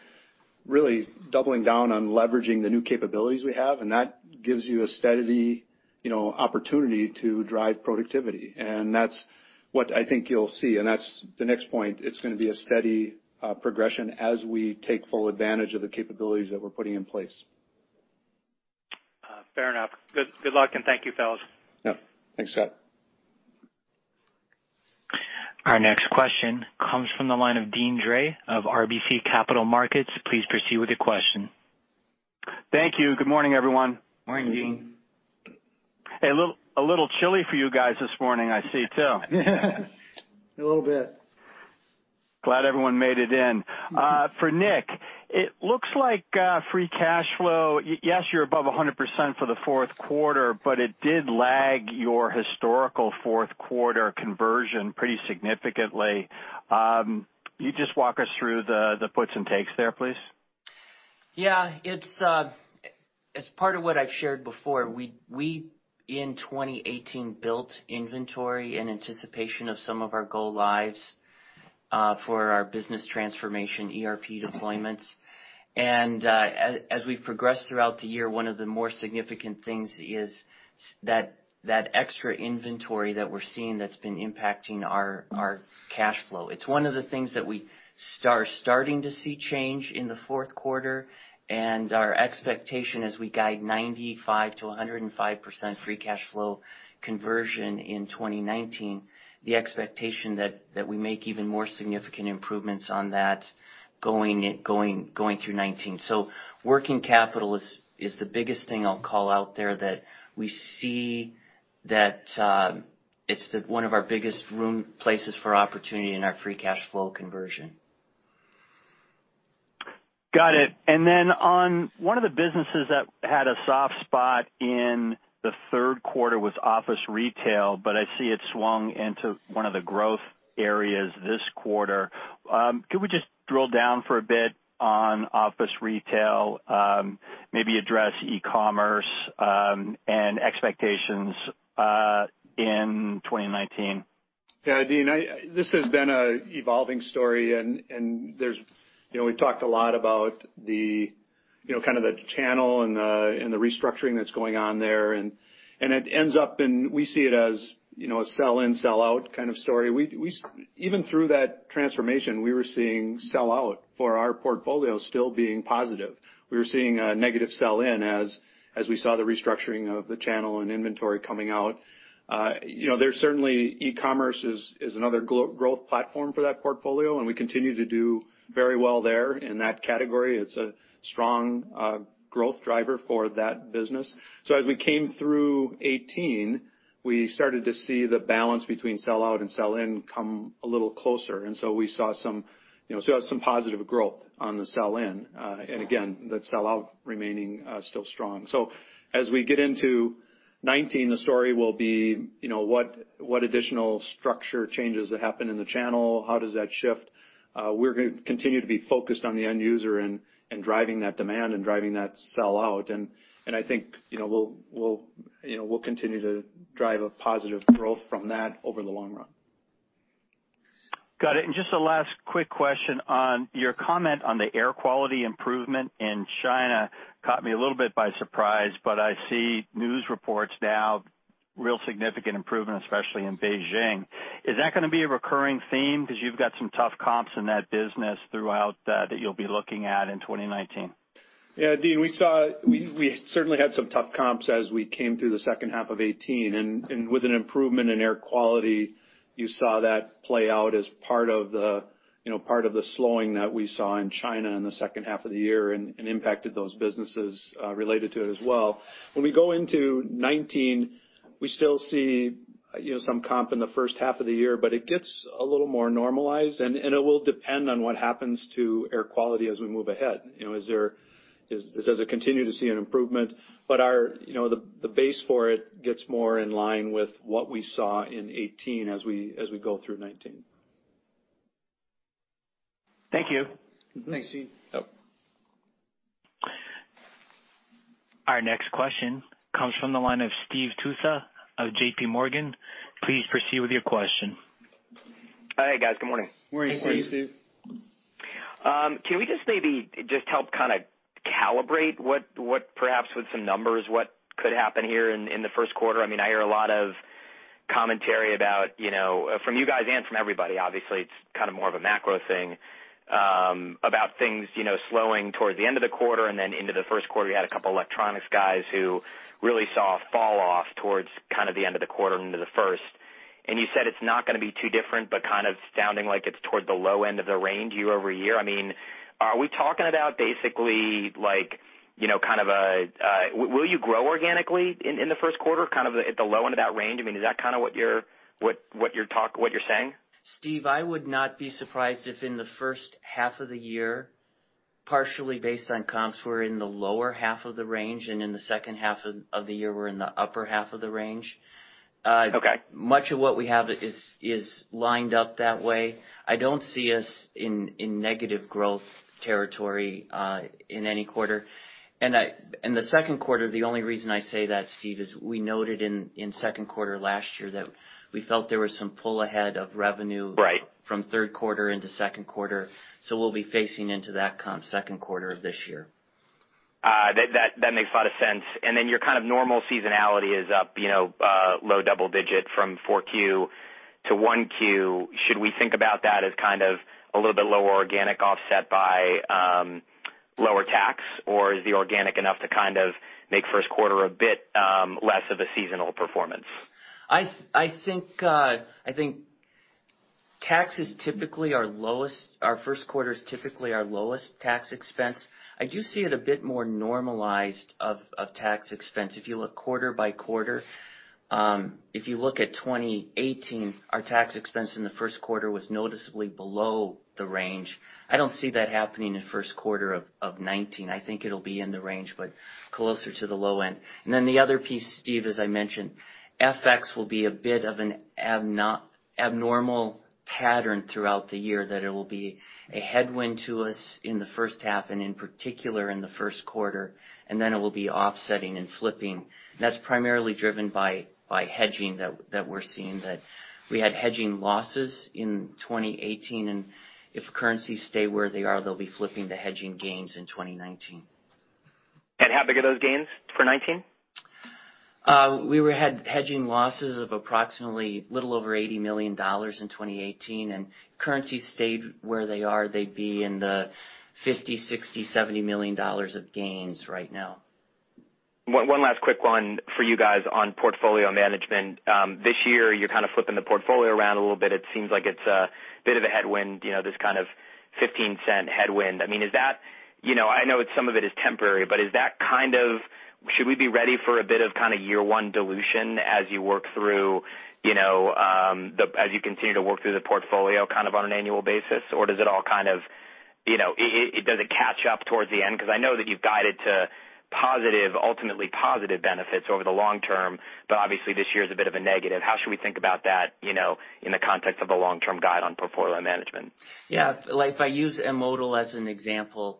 really doubling down on leveraging the new capabilities we have, and that gives you a steady opportunity to drive productivity. That's what I think you'll see. That's the next point. It's going to be a steady progression as we take full advantage of the capabilities that we're putting in place. Fair enough. Good luck, and thank you, fellas. Yeah. Thanks, Scott Davis. Our next question comes from the line of Deane Dray of RBC Capital Markets. Please proceed with your question. Thank you. Good morning, everyone. Morning, Deane. Morning. A little chilly for you guys this morning, I see too. A little bit. Glad everyone made it in. For Nick, it looks like free cash flow. Yes, you're above 100% for the Q4, but it did lag your historical Q4 conversion pretty significantly. Can you just walk us through the puts and takes there, please? Yeah. As part of what I've shared before, we, in 2018, built inventory in anticipation of some of our go-lives for our business transformation ERP deployments. as we've progressed throughout the year, one of the more significant things is that extra inventory that we're seeing that's been impacting our cash flow. It's one of the things that we are starting to see change in Q4, and our expectation as we guide 95%-105% free cash flow conversion in 2019, the expectation that we make even more significant improvements on that going through 2019. working capital is the biggest thing I'll call out there that we see that it's one of our biggest places for opportunity in our free cash flow conversion. Got it. on one of the businesses that had a soft spot in the Q3 was office retail, but I see it swung into one of the growth areas this quarter. Could we just drill down for a bit on office retail? Maybe address e-commerce, and expectations, in 2019. Yeah, Deane, this has been an evolving story, and we've talked a lot about kind of the channel and the restructuring that's going on there, and it ends up in. We see it as a sell in, sellout kind of story. Even through that transformation, we were seeing sellout for our portfolio still being positive. We were seeing a negative sell in as we saw the restructuring of the channel and inventory coming out. Certainly, e-commerce is another growth platform for that portfolio, and we continue to do very well there in that category. It's a strong growth driver for that business. as we came through 2018, we started to see the balance between sell out and sell in come a little closer. we saw some positive growth on the sell-in. that sellout remaining still strong. As we get into 2019, the story will be what additional structure changes that happen in the channel? How does that shift? We're going to continue to be focused on the end user and driving that demand and driving that sellout. And I think we'll continue to drive a positive growth from that over the long run. Got it. Just a last quick question on your comment on the air quality improvement in China caught me a little bit by surprise, but I see news reports now, real significant improvement, especially in Beijing. Is that going to be a recurring theme? Because you've got some tough comps in that business throughout that you'll be looking at in 2019. Yeah, Deane, we certainly had some tough comps as we came through the H2 of 2018. With an improvement in air quality, you saw that play out as part of the slowing that we saw in China in the H2 of the year and impacted those businesses related to it as well. When we go into 2019, we still see some comp in the H1 of the year, but it gets a little more normalized, and it will depend on what happens to air quality as we move ahead. Does it continue to see an improvement? But the base for it gets more in line with what we saw in 2018 as we go through 2019. Thank you. Thanks, Deane. Yep. Our next question comes from the line of Steve Tusa of JPMorgan. Please proceed with your question. Hi, guys. Good morning. Morning, Steve Tusa. Morning, Steve Tusa. Can we just maybe just help kind of calibrate perhaps with some numbers, what could happen here in the Q1? I hear a lot of commentary about, from you guys and from everybody, obviously, it's kind of more of a macro thing, about things slowing towards the end of the quarter and then into the first quarter, you had a couple electronics guys who really saw a fall off towards the end of the quarter into the first. You said it's not going to be too different, but kind of sounding like it's towards the low end of the range year-over-year. Are we talking about basically, will you grow organically in the Q1, kind of at the low end of that range? Is that kind of what you're saying? Steve, I would not be surprised if in the H1 of the year, partially based on comps, we're in the lower half of the range, and in the H2 of the year, we're in the upper half of the range. Okay. Much of what we have is lined up that way. I don't see us in negative growth territory in any quarter. The Q2, the only reason I say that, Steve Tusa, is we noted in Q2 last year that we felt there was some pull ahead of revenue- Right -from Q3 into Q2. we'll be facing into that comp Q2 of this year. That makes a lot of sense. then your kind of normal seasonality is up low double digit from Q4 to Q1. Should we think about that as kind of a little bit lower organic offset by lower tax? is the organic enough to kind of make Q1 a bit less of a seasonal performance? I think tax is typically our lowest. Our Q1 is typically our lowest tax expense. I do see it a bit more normalized of tax expense. If you look quarter-by-quarter, if you look at 2018, our tax expense in the Q1 was noticeably below the range. I don't see that happening in the Q1 of 2019. I think it'll be in the range, but closer to the low end. then the other piece, Steve Tusa, as I mentioned, FX will be a bit of an abnormal pattern throughout the year that it will be a headwind to us in the H1, and in particular in the Q1, and then it will be offsetting and flipping. That's primarily driven by hedging that we're seeing that we had hedging losses in 2018, and if currencies stay where they are, they'll be flipping to hedging gains in 2019. How big are those gains for 2019? We had hedging losses of approximately a little over $80 million in 2018, and if currencies stayed where they are, they'd be in the $50 million, $60 million, $70 million of gains right now. One last quick one for you guys on portfolio management. This year, you're kind of flipping the portfolio around a little bit. It seems like it's a bit of a headwind, this kind of $0.15 headwind. I know some of it is temporary, but should we be ready for a bit of kind of year 1 dilution as you continue to work through the portfolio kind of on an annual basis? Or does it catch up towards the end? Because I know that you've guided to ultimately positive benefits over the long term, but obviously this year is a bit of a negative. How should we think about that in the context of a long-term guide on portfolio management? Yeah. If I use M*Modal as an example,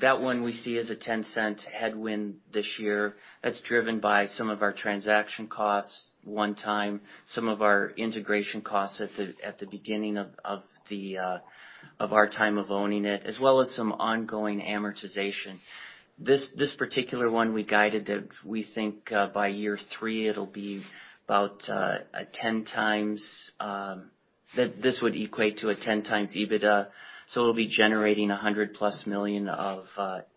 that one we see as a $0.10 headwind this year. That's driven by some of our transaction costs one time, some of our integration costs at the beginning of our time of owning it, as well as some ongoing amortization. This particular one we guided that we think by year 3 this would equate to a 10x EBITDA, so we'll be generating $100+ million of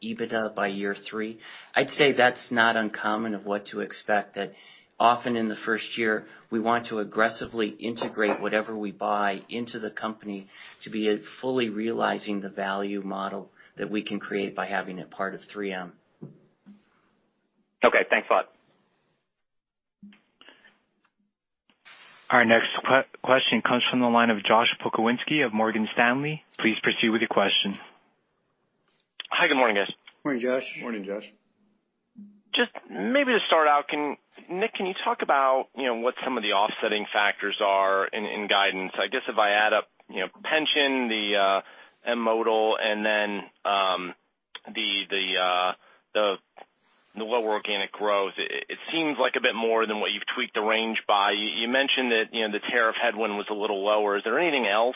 EBITDA by year 3. I'd say that's not uncommon of what to expect, that often in the first year, we want to aggressively integrate whatever we buy into the company to be fully realizing the value model that we can create by having it part of 3M. Okay. Thanks a lot. Our next question comes from the line of Josh Pokrzywinski of Morgan Stanley. Please proceed with your question. Hi, good morning, guys. Morning, Josh Pokrzywinski. Morning, Josh Pokrzywinski. Just maybe to start out, Nick, can you talk about what some of the offsetting factors are in guidance? I guess if I add up pension, the M*Modal, and then the lower organic growth, it seems like a bit more than what you've tweaked the range by. You mentioned that the tariff headwind was a little lower. Is there anything else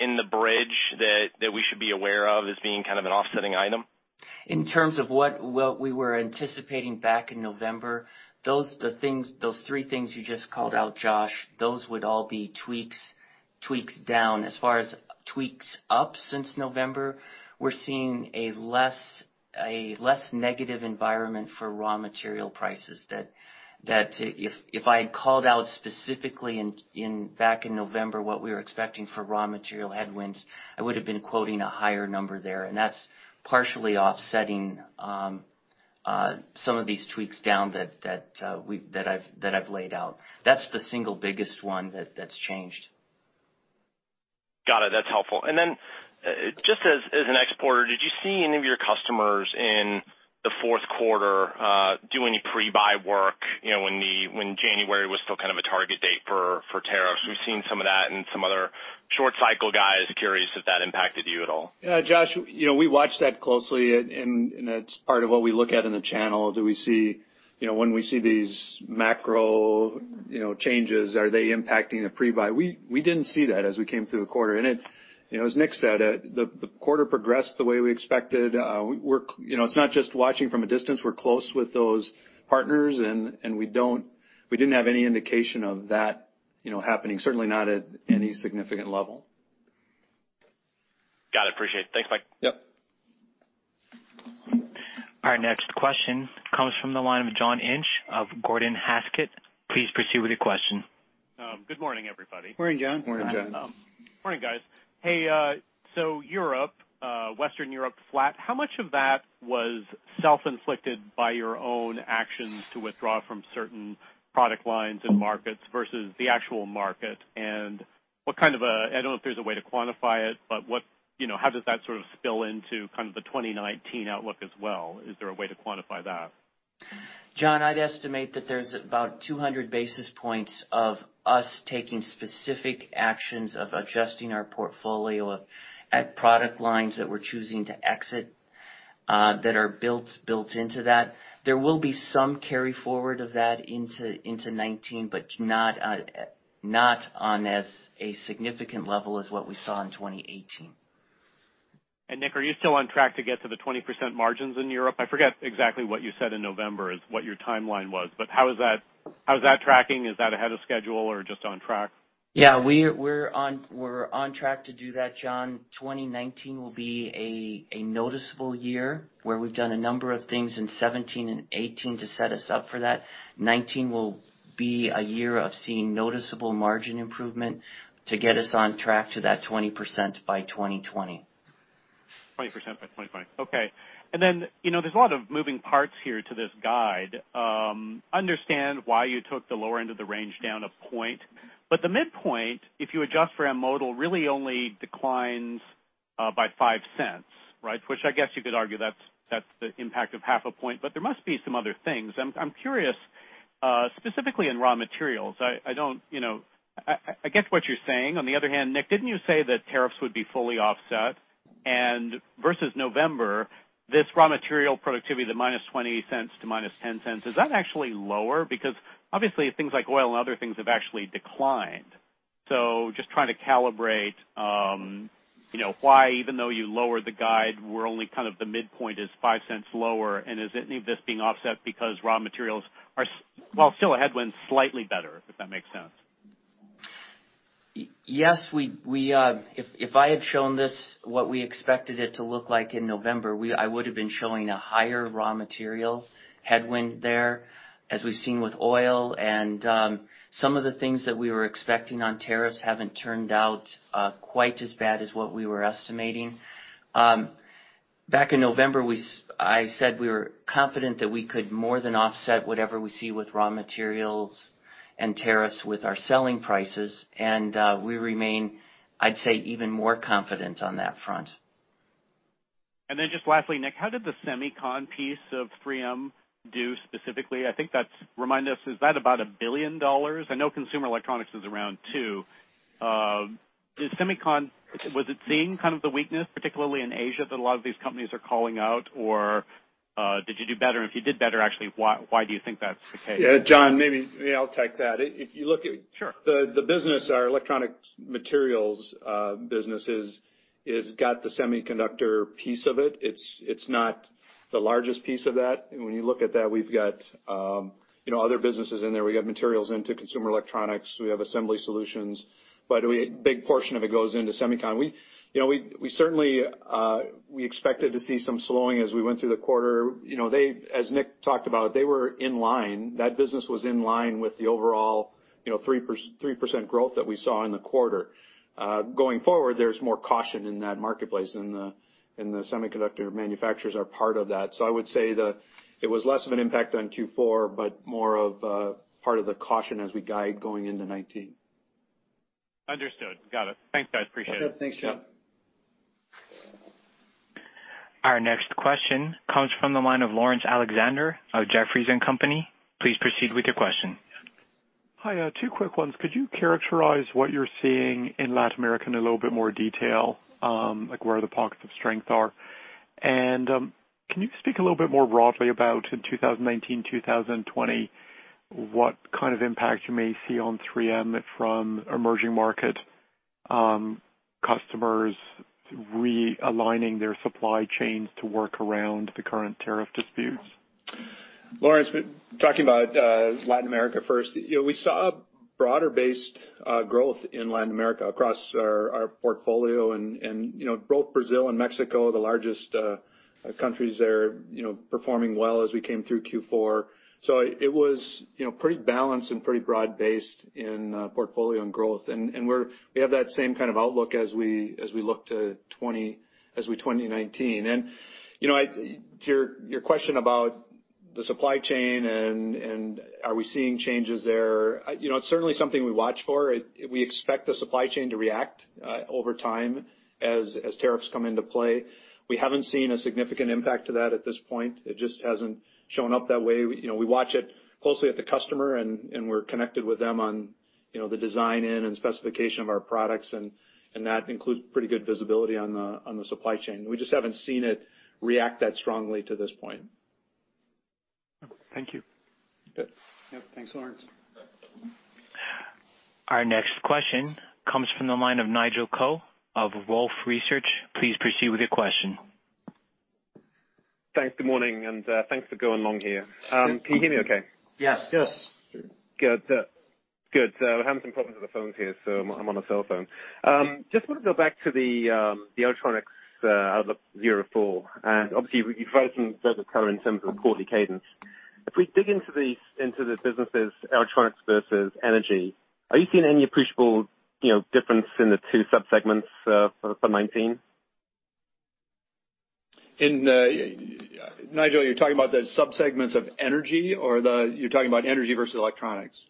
in the bridge that we should be aware of as being kind of an offsetting item? In terms of what we were anticipating back in November, those three things you just called out, Josh Pokrzywinski, those would all be tweaks down. As far as tweaks up since November, we're seeing a less negative environment for raw material prices, that if I had called out specifically back in November what we were expecting for raw material headwinds, I would've been quoting a higher number there, and that's partially offsetting some of these tweaks down that I've laid out. That's the single biggest one that's changed. Got it. That's helpful. Just as an exporter, did you see any of your customers in Q4 do any pre-buy work when January was still kind of a target date for tariffs? We've seen some of that in some other short cycle guys. Curious if that impacted you at all. Yeah, Josh Pokrzywinski, we watch that closely and it's part of what we look at in the channel. When we see these macro changes, are they impacting the pre-buy? We didn't see that as we came through the quarter. as Nick said, the quarter progressed the way we expected. It's not just watching from a distance. We're close with those partners, and we didn't have any indication of that happening, certainly not at any significant level. Got it. Appreciate it. Thanks, Mike. Yep. Our next question comes from the line of John Inch of Gordon Haskett. Please proceed with your question. Good morning, everybody. Morning, John Inch. Morning, John Inch Morning, guys. Hey, Europe, Western Europe flat. How much of that was self-inflicted by your own actions to withdraw from certain product lines and markets versus the actual market? I don't know if there's a way to quantify it, but how does that sort of spill into kind of the 2019 outlook as well? Is there a way to quantify that? John Inch, I'd estimate that there's about 200 basis points of us taking specific actions of adjusting our portfolio at product lines that we're choosing to exit that are built into that. There will be some carry forward of that into 2019, but not on as a significant level as what we saw in 2018. Nick, are you still on track to get to the 20% margins in Europe? I forget exactly what you said in November, what your timeline was, but how is that tracking? Is that ahead of schedule or just on track? Yeah. We're on track to do that, John Inch. 2019 will be a noticeable year where we've done a number of things in 2017 and 2018 to set us up for that. 2019 will be a year of seeing noticeable margin improvement to get us on track to that 20% by 2020. 20% by 2020. Okay. There's a lot of moving parts here to this guide. Understand why you took the lower end of the range down a point, but the midpoint, if you adjust for M*Modal, really only declines by $0.05, right? Which I guess you could argue that's the impact of half a point, but there must be some other things. I'm curious. Specifically in raw materials, I get what you're saying. On the other hand, Nick, didn't you say that tariffs would be fully offset? Versus November, this raw material productivity, the-$0.20 to -$0.10, is that actually lower? Because obviously things like oil and other things have actually declined. Just trying to calibrate why even though you lowered the guide, we're only kind of the midpoint is $0.05 lower. Is any of this being offset because raw materials are, while still a headwind, slightly better, if that makes sense. Yes. If I had shown this, what we expected it to look like in November, I would've been showing a higher raw material headwind there. As we've seen with oil and some of the things that we were expecting on tariffs haven't turned out quite as bad as what we were estimating. Back in November, I said we were confident that we could more than offset whatever we see with raw materials and tariffs with our selling prices, and we remain, I'd say, even more confident on that front. Lastly, Nick, how did the semicon piece of 3M do specifically? I think that's, remind us, is that about $1 billion? I know consumer electronics is around two. Does semicon, was it seeing kind of the weakness, particularly in Asia, that a lot of these companies are calling out? Or did you do better? If you did better, actually, why do you think that's the case? Yeah, John Inch, maybe I'll take that. Sure. If you look at the business, our electronic materials business has got the semiconductor piece of it. It's not the largest piece of that. When you look at that, we've got other businesses in there. We've got materials into consumer electronics. We have assembly solutions, but a big portion of it goes into semicon. We expected to see some slowing as we went through the quarter. As Nick talked about, they were in line. That business was in line with the overall 3% growth that we saw in the quarter. Going forward, there's more caution in that marketplace, and the semiconductor manufacturers are part of that. I would say that it was less of an impact on Q4, but more of a part of the caution as we guide going into 2019. Understood. Got it. Thanks, guys. Appreciate it. Yep. Thanks, John Inch. Yeah. Our next question comes from the line of Laurence Alexander of Jefferies. Please proceed with your question. Hi. Two quick ones. Could you characterize what you're seeing in Latin America in a little bit more detail, like where the pockets of strength are? Can you speak a little bit more broadly about in 2019, 2020, what kind of impact you may see on 3M from emerging market customers realigning their supply chains to work around the current tariff disputes? Laurence, talking about Latin America first. We saw broader-based growth in Latin America across our portfolio and both Brazil and Mexico, the largest countries there, performing well as we came through Q4. It was pretty balanced and pretty broad-based in portfolio and growth, and we have that same kind of outlook as we look to 2019. To your question about the supply chain and are we seeing changes there, it's certainly something we watch for. We expect the supply chain to react over time as tariffs come into play. We haven't seen a significant impact to that at this point. It just hasn't shown up that way. We watch it closely at the customer, and we're connected with them on the design end and specification of our products, and that includes pretty good visibility on the supply chain. We just haven't seen it react that strongly to this point. Thank you. Yep. Yep. Thanks, Laurence. Our next question comes from the line of Nigel Coe of Wolfe Research. Please proceed with your question. Thanks. Good morning, and thanks for going long here. Can you hear me okay? Yes. Yes. Good. We're having some problems with the phones here, so I'm on a cellphone. Just want to go back to the electronics outlook for Q4, and obviously, you've raised them both color in terms of the quarterly cadence. If we dig into the businesses, electronics versus energy, are you seeing any appreciable difference in the two subsegments for 2019? Nigel Coe, are you talking about the subsegments of energy, or you're talking about energy versus electronics?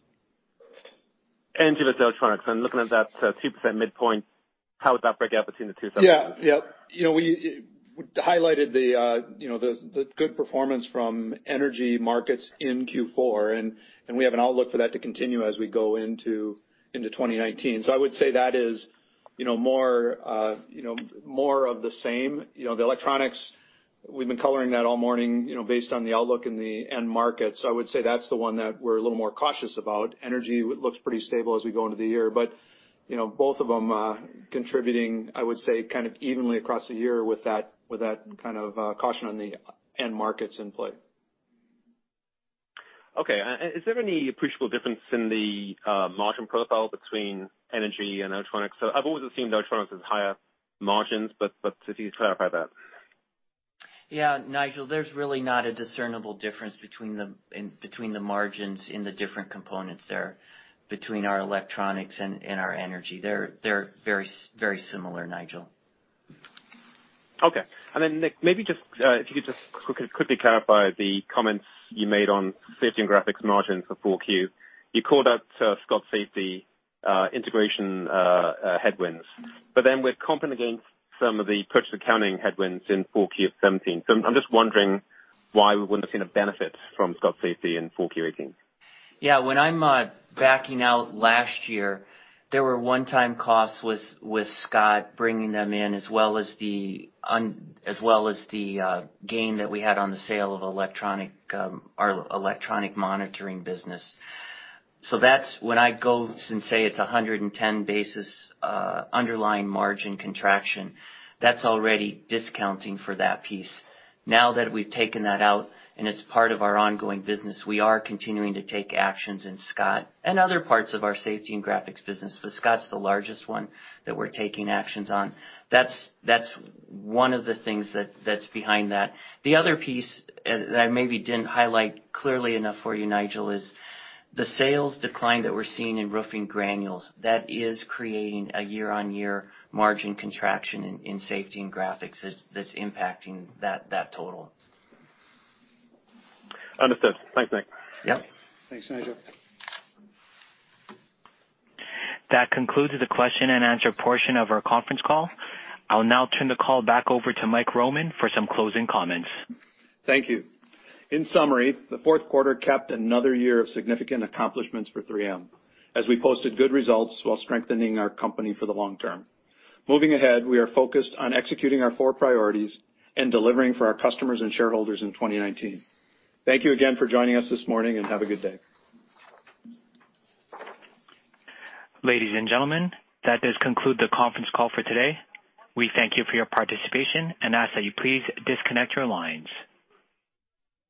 Energy versus electronics. I'm looking at that 2% midpoint, how would that break up between the two segments? Yeah. We highlighted the good performance from energy markets in Q4, and we have an outlook for that to continue as we go into 2019. I would say that is more of the same. The electronics, we've been coloring that all morning based on the outlook in the end markets. I would say that's the one that we're a little more cautious about. Energy looks pretty stable as we go into the year, but both of them contributing, I would say, kind of evenly across the year with that kind of caution on the end markets in play. Okay. Is there any appreciable difference in the margin profile between energy and electronics? I've always assumed electronics is higher margins, but if you could clarify that. Yeah. Nigel Coe, there's really not a discernible difference between the margins in the different components there between our electronics and our energy. They're very similar, Nigel Coe. Okay. Then Nick, maybe if you could just quickly clarify the comments you made on Safety and Graphics margin for Q4. You called out Scott Safety integration headwinds, but then we're comping against some of the purchase accounting headwinds in Q4 of 2017. I'm just wondering why we wouldn't have seen a benefit from Scott Safety in Q4 2018. Yeah. When I'm backing out last year, there were one-time costs with Scott bringing them in as well as the gain that we had on the sale of our electronic monitoring business. that's when I go and say it's 110 basis underlying margin contraction. That's already discounting for that piece. Now that we've taken that out and it's part of our ongoing business, we are continuing to take actions in Scott and other parts of our Safety and Graphics business, but Scott's the largest one that we're taking actions on. That's one of the things that's behind that. The other piece that I maybe didn't highlight clearly enough for you, Nigel Coe, is the sales decline that we're seeing in roofing granules. That is creating a year-on-year margin contraction in Safety and Graphics that's impacting that total. Understood. Thanks, guys. Yep. Thanks, Nigel. That concludes the question and answer portion of our conference call. I'll now turn the call back over to Mike Roman for some closing comments. Thank you. In summary, the Q4 capped another year of significant accomplishments for 3M, as we posted good results while strengthening our company for the long term. Moving ahead, we are focused on executing our four priorities and delivering for our customers and shareholders in 2019. Thank you again for joining us this morning, and have a good day. Ladies and gentlemen, that does conclude the conference call for today. We thank you for your participation and ask that you please disconnect your lines.